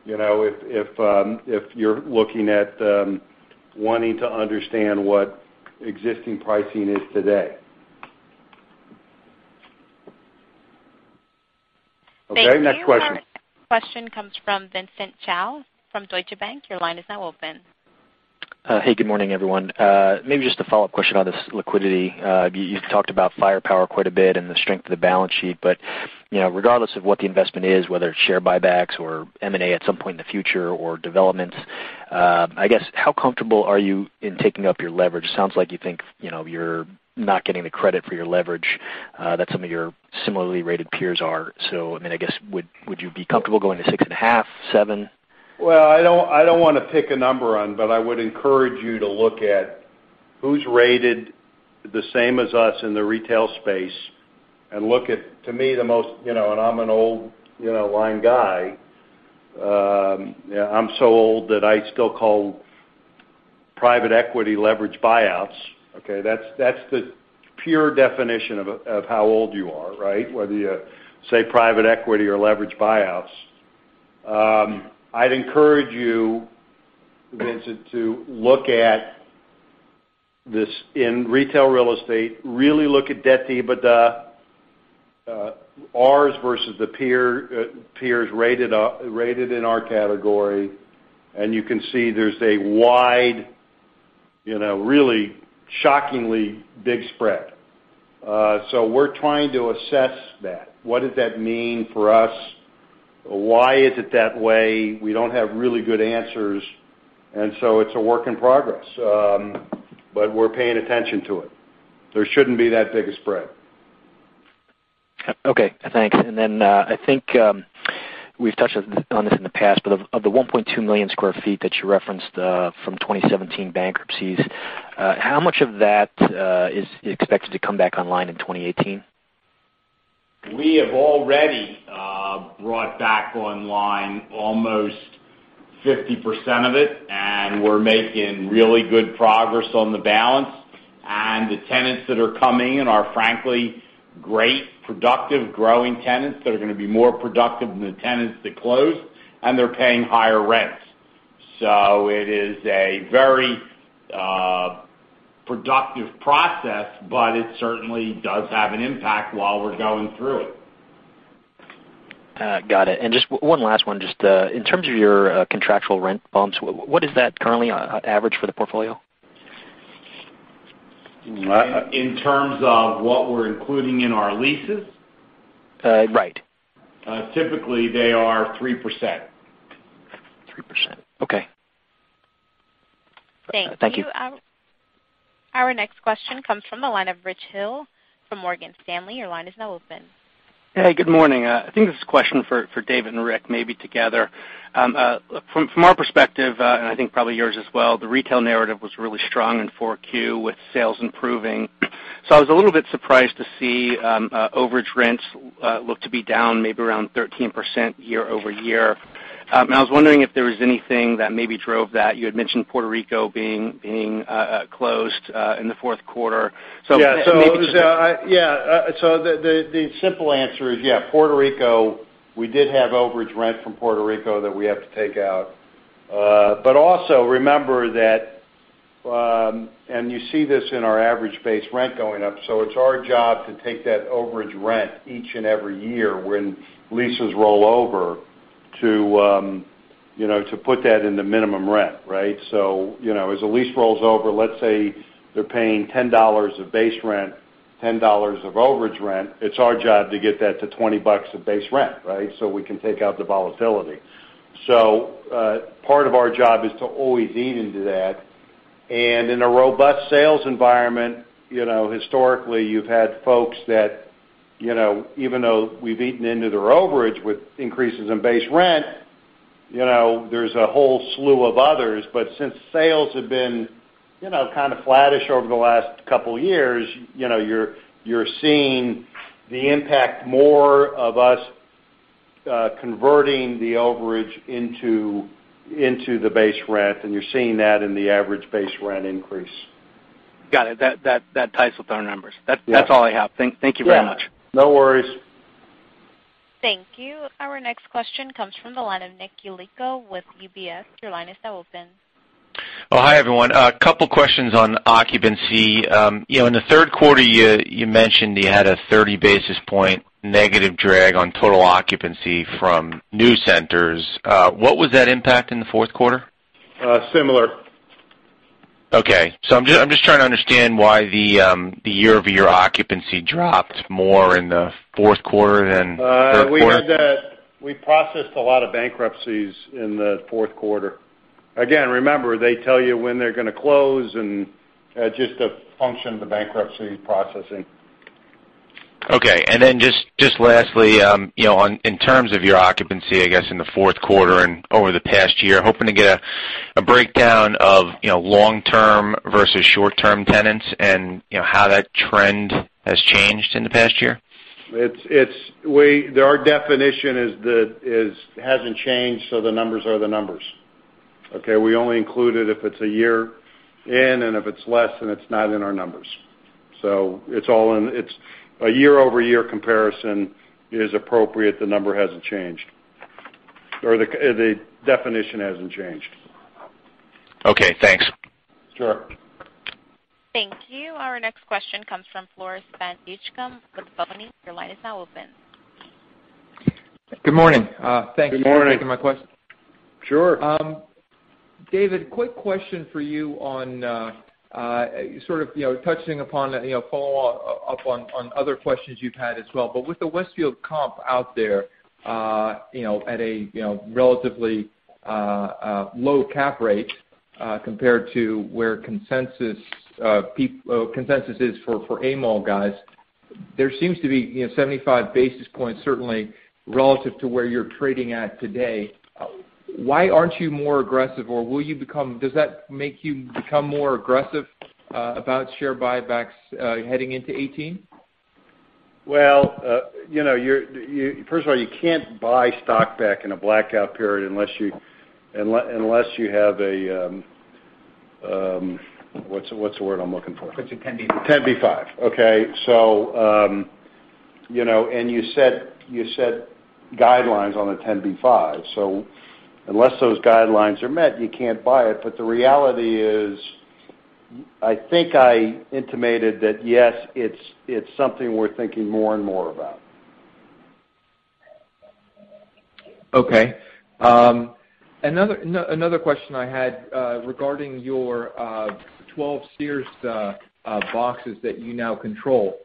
If you're looking at wanting to understand what existing pricing is today. Thank you. Okay, next question. Our next question comes from Vincent Chao from Deutsche Bank. Your line is now open. Hey, good morning, everyone. Maybe just a follow-up question on this liquidity. You've talked about firepower quite a bit and the strength of the balance sheet, but regardless of what the investment is, whether it's share buybacks or M&A at some point in the future or developments, how comfortable are you in taking up your leverage? Sounds like you think you're not getting the credit for your leverage that some of your similarly rated peers are. Would you be comfortable going to 6.5, 7? I don't want to pick a number on, but I would encourage you to look at who's rated the same as us in the retail space and look at, to me, the most I'm an old line guy. I'm so old that I still call private equity leverage buyouts. Okay? That's the pure definition of how old you are, right? Whether you say private equity or leverage buyouts. I'd encourage you, Vincent, to look at this in retail real estate, really look at debt to EBITDA, ours versus the peers rated in our category, and you can see there's a wide, really shockingly big spread. We're trying to assess that. What does that mean for us? Why is it that way? We don't have really good answers, and it's a work in progress. We're paying attention to it. There shouldn't be that big a spread. Okay, thanks. I think we've touched on this in the past, but of the 1.2 million sq ft that you referenced from 2017 bankruptcies, how much of that is expected to come back online in 2018? We have already brought back online almost 50% of it. We're making really good progress on the balance. The tenants that are coming in are frankly great, productive, growing tenants that are going to be more productive than the tenants that closed, and they're paying higher rents. It is a very productive process, but it certainly does have an impact while we're going through it. Got it. Just one last one. Just in terms of your contractual rent bumps, what is that currently on average for the portfolio? In terms of what we're including in our leases? Right. Typically, they are 3%. 3%. Okay. Thank you. Thank you. Our next question comes from the line of Rich Hill from Morgan Stanley. Your line is now open. Hey, good morning. I think this is a question for David and Rick, maybe together. From our perspective, I think probably yours as well, the retail narrative was really strong in Q4 with sales improving. I was a little bit surprised to see overage rents look to be down maybe around 13% year-over-year. I was wondering if there was anything that maybe drove that. You had mentioned Puerto Rico being closed in the fourth quarter. Yeah. The simple answer is, yeah, Puerto Rico, we did have overage rent from Puerto Rico that we have to take out. Also remember that, and you see this in our average base rent going up. It's our job to take that overage rent each and every year when leases roll over to put that in the minimum rent. As a lease rolls over, let's say they're paying $10 of base rent, $10 of overage rent, it's our job to get that to $20 bucks of base rent. We can take out the volatility. Part of our job is to always eat into that. In a robust sales environment, historically, you've had folks that even though we've eaten into their overage with increases in base rent, there's a whole slew of others. Since sales have been kind of flattish over the last couple of years, you're seeing the impact more of us converting the overage into the base rent, and you're seeing that in the average base rent increase. Got it. That ties with our numbers. Yeah. That's all I have. Thank you very much. Yeah. No worries. Thank you. Our next question comes from the line of Nick Yulico with UBS. Your line is now open. Oh, hi, everyone. A couple questions on occupancy. In the third quarter, you mentioned you had a 30 basis points negative drag on total occupancy from new centers. What was that impact in the fourth quarter? Similar. Okay. I'm just trying to understand why the year-over-year occupancy dropped more in the fourth quarter than third quarter. We processed a lot of bankruptcies in the fourth quarter. Remember, they tell you when they're going to close and just a function of the bankruptcy processing. Okay. Just lastly, in terms of your occupancy, I guess, in the fourth quarter and over the past year, hoping to get a breakdown of long-term versus short-term tenants and how that trend has changed in the past year. Our definition hasn't changed, the numbers are the numbers. Okay? We only include it if it's a year in, and if it's less, then it's not in our numbers. A year-over-year comparison is appropriate. The number hasn't changed, or the definition hasn't changed. Okay, thanks. Sure. Thank you. Our next question comes from Floris van Dijkum with Boenning & Scattergood. Your line is now open. Good morning. Good morning. Thanks for taking my question. Sure. David, quick question for you on, sort of touching upon, follow up on other questions you've had as well, but with the Westfield comp out there, at a relatively low cap rate compared to where consensus is for A-mall guys. There seems to be 75 basis points certainly relative to where you're trading at today. Why aren't you more aggressive, or does that make you become more aggressive about share buybacks heading into 2018? Well, first of all, you can't buy stock back in a blackout period unless you have a What's the word I'm looking for? It's a 10b5-1. Okay. You set guidelines on a 10b5-1. Unless those guidelines are met, you can't buy it. The reality is, I think I intimated that yes, it's something we're thinking more and more about. Okay. Another question I had regarding your 12 Sears boxes that you now control.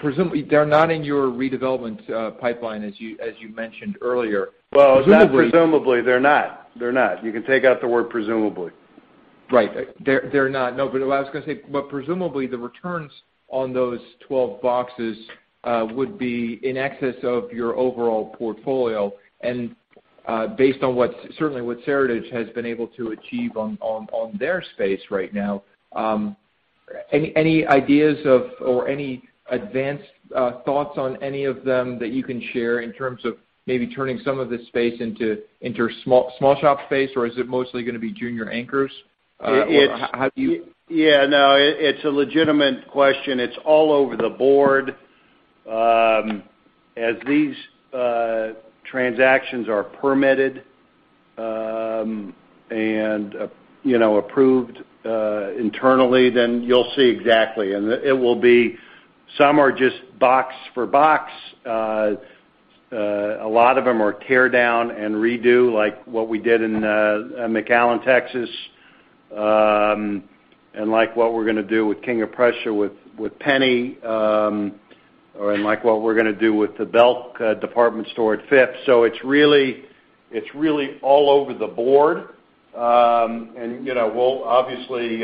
Presumably, they're not in your redevelopment pipeline as you mentioned earlier. Well, not presumably. They're not. You can take out the word presumably. Right. They're not. What I was going to say, presumably the returns on those 12 boxes would be in excess of your overall portfolio and based on certainly what Seritage has been able to achieve on their space right now. Any ideas of or any advanced thoughts on any of them that you can share in terms of maybe turning some of this space into small shop space, or is it mostly going to be junior anchors? Or how do you? It's a legitimate question. It's all over the board. As these transactions are permitted and approved internally, you'll see exactly. It will be some are just box for box. A lot of them are tear down and redo like what we did in McAllen, Texas, and like what we're going to do with King of Prussia with J.C. Penney, and like what we're going to do with the Belk department store at Phipps. It's really all over the board. We'll obviously,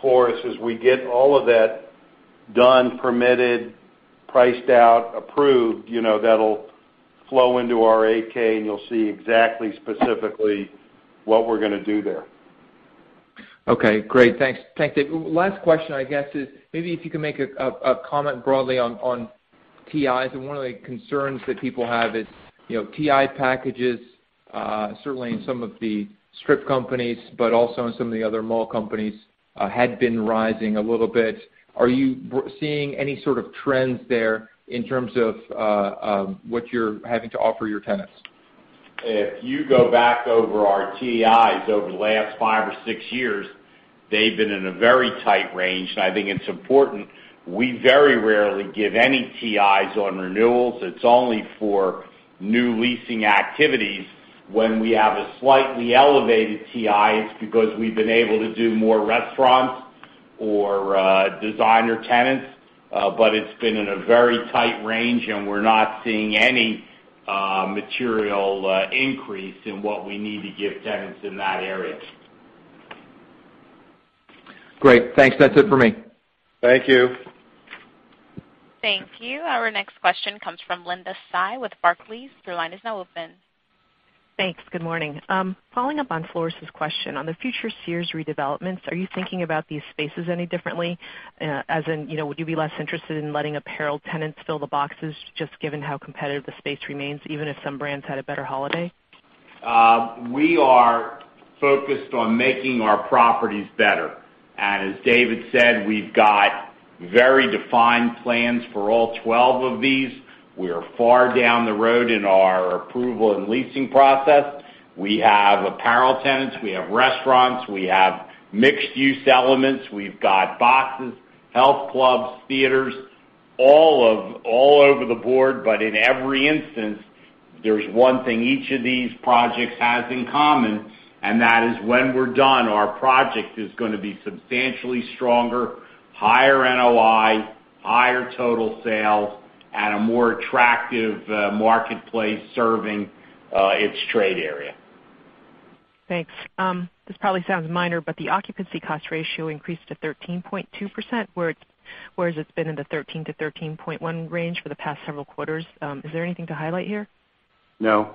Floris, as we get all of that done, permitted, priced out, approved, that'll flow into our 8-K, and you'll see exactly specifically what we're going to do there. Okay, great. Thanks. Last question, I guess is maybe if you can make a comment broadly on TIs and one of the concerns that people have is, TI packages, certainly in some of the strip companies, but also in some of the other mall companies, had been rising a little bit. Are you seeing any sort of trends there in terms of what you're having to offer your tenants? If you go back over our TIs over the last five or six years, they've been in a very tight range. I think it's important, we very rarely give any TIs on renewals. It's only for new leasing activities. When we have a slightly elevated TI, it's because we've been able to do more restaurants or designer tenants. It's been in a very tight range, and we're not seeing any material increase in what we need to give tenants in that area. Great. Thanks. That's it for me. Thank you. Thank you. Our next question comes from Linda Tsai with Barclays. Your line is now open. Thanks. Good morning. Following up on Floris's question, on the future Sears redevelopments, are you thinking about these spaces any differently? As in, would you be less interested in letting apparel tenants fill the boxes, just given how competitive the space remains, even if some brands had a better holiday? We are focused on making our properties better. As David Simon said, we've got very defined plans for all 12 of these. We are far down the road in our approval and leasing process. We have apparel tenants. We have restaurants. We have mixed-use elements. We've got boxes, health clubs, theaters, all over the board. In every instance, there's one thing each of these projects has in common, and that is when we're done, our project is going to be substantially stronger, higher NOI, higher total sales, at a more attractive marketplace serving its trade area. Thanks. This probably sounds minor, but the occupancy cost ratio increased to 13.2%, whereas it's been in the 13%-13.1% range for the past several quarters. Is there anything to highlight here? No.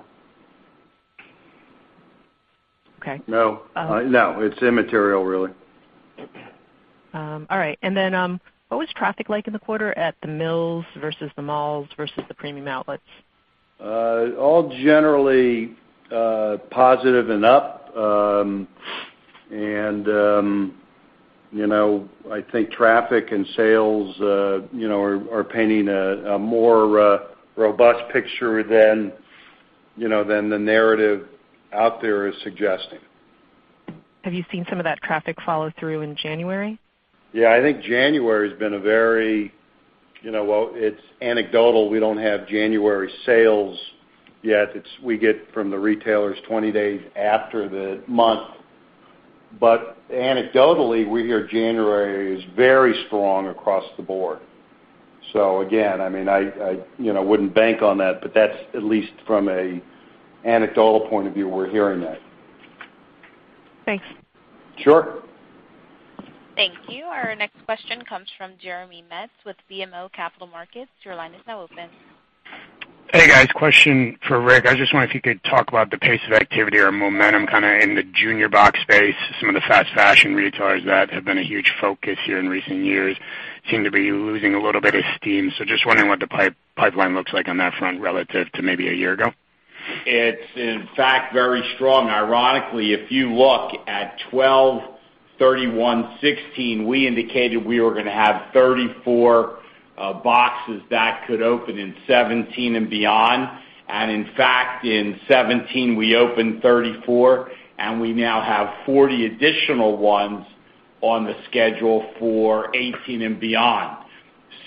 Okay. No. It's immaterial, really. All right. What was traffic like in the quarter at the Mills versus the malls versus the Premium Outlets? All generally positive and up. I think traffic and sales are painting a more robust picture than the narrative out there is suggesting. Have you seen some of that traffic follow through in January? Yeah, well, it's anecdotal. We don't have January sales yet. We get from the retailers 20 days after the month. Anecdotally, we hear January is very strong across the board. Again, I wouldn't bank on that, but that's at least from an anecdotal point of view, we're hearing that. Thanks. Sure. Thank you. Our next question comes from Jeremy Metz with BMO Capital Markets. Your line is now open. Hey, guys. Question for Rick. I just wonder if you could talk about the pace of activity or momentum kind of in the junior box space. Some of the fast fashion retailers that have been a huge focus here in recent years seem to be losing a little bit of steam. Just wondering what the pipeline looks like on that front relative to maybe a year ago. It's in fact very strong. Ironically, if you look at 12/31/2016, we indicated we were going to have 34 boxes that could open in 2017 and beyond. In fact, in 2017, we opened 34, and we now have 40 additional ones on the schedule for 2018 and beyond.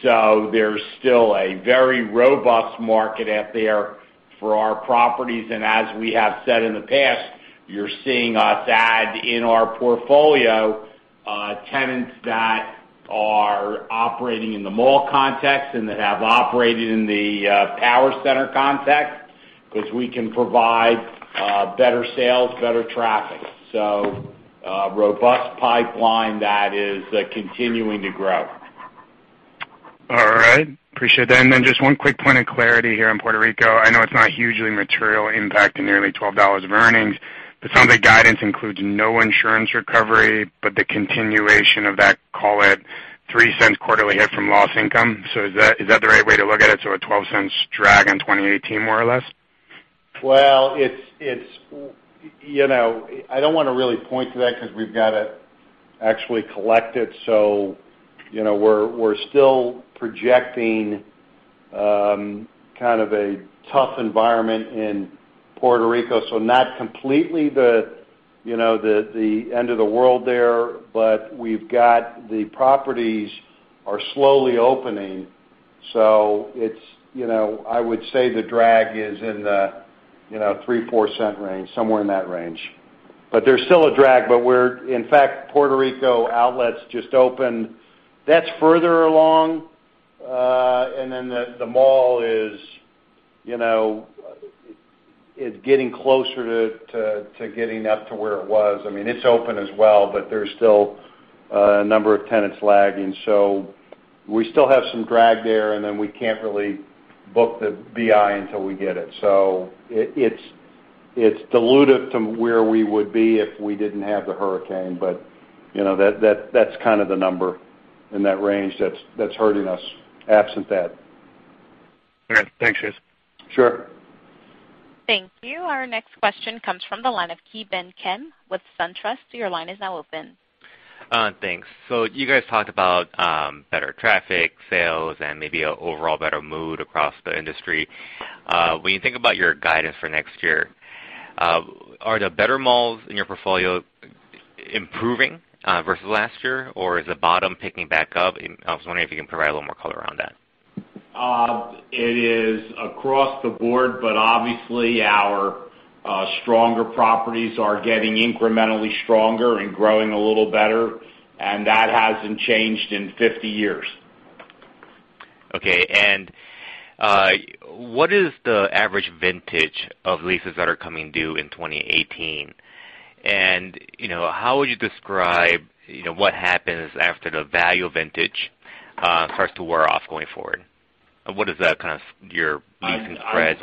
There's still a very robust market out there for our properties. As we have said in the past, you're seeing us add in our portfolio, tenants that are operating in the mall context and that have operated in the power center context because we can provide better sales, better traffic. A robust pipeline that is continuing to grow. All right. Appreciate that. Just one quick point of clarity here on Puerto Rico. I know it's not hugely material impact to nearly $12 of earnings, but some of the guidance includes no insurance recovery, but the continuation of that, call it $0.03 quarterly hit from loss income. Is that the right way to look at it? A $0.12 drag in 2018, more or less? Well, I don't want to really point to that because we've got to actually collect it. We're still projecting kind of a tough environment in Puerto Rico, not completely the end of the world there, but we've got the properties are slowly opening. I would say the drag is in the $0.03-$0.04 range, somewhere in that range. There's still a drag, in fact, Puerto Rico outlets just opened. That's further along. The mall is getting closer to getting up to where it was. It's open as well, but there's still a number of tenants lagging. We still have some drag there, we can't really book the BI until we get it. It's dilutive to where we would be if we didn't have the hurricane, but that's kind of the number in that range that's hurting us absent that. All right. Thanks, guys. Sure. Thank you. Our next question comes from the line of Ki Bin Kim with SunTrust. Your line is now open. Thanks. You guys talked about better traffic sales and maybe an overall better mood across the industry. When you think about your guidance for next year, are the better malls in your portfolio improving versus last year, or is the bottom picking back up? I was wondering if you can provide a little more color around that. It is across the board, obviously our stronger properties are getting incrementally stronger and growing a little better, that hasn't changed in 50 years. Okay, what is the average vintage of leases that are coming due in 2018? How would you describe what happens after the value vintage starts to wear off going forward? What is that kind of your leasing spreads?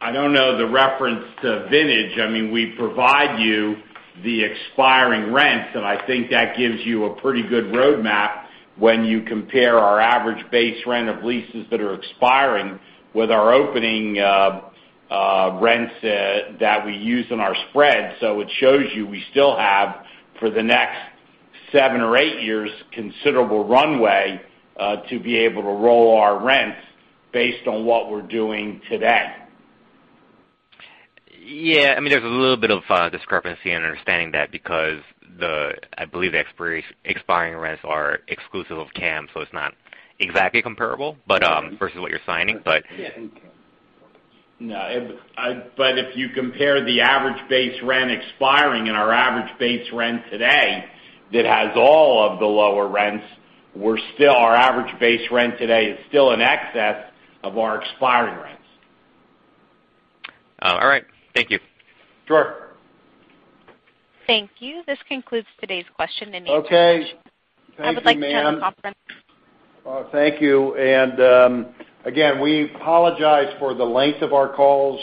I don't know the reference to vintage. We provide you the expiring rents, I think that gives you a pretty good roadmap when you compare our average base rent of leases that are expiring with our opening rents that we use in our spread. It shows you we still have, for the next seven or eight years, considerable runway to be able to roll our rents based on what we're doing today. Yeah. There's a little bit of a discrepancy in understanding that because I believe the expiring rents are exclusive of CAM, so it's not exactly comparable versus what you're signing. Yeah. If you compare the average base rent expiring and our average base rent today, that has all of the lower rents, our average base rent today is still in excess of our expiring rents. All right. Thank you. Sure. Thank you. This concludes today's question and answer session. Okay. Thank you, ma'am. I would like to end the conference. Thank you. Again, we apologize for the length of our calls.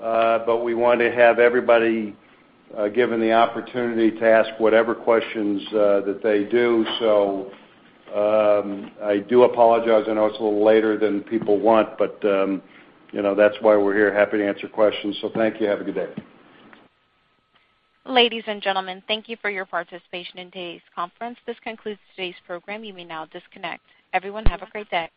We want to have everybody given the opportunity to ask whatever questions that they do. I do apologize. I know it's a little later than people want. That's why we're here, happy to answer questions. Thank you. Have a good day. Ladies and gentlemen, thank you for your participation in today's conference. This concludes today's program. You may now disconnect. Everyone, have a great day.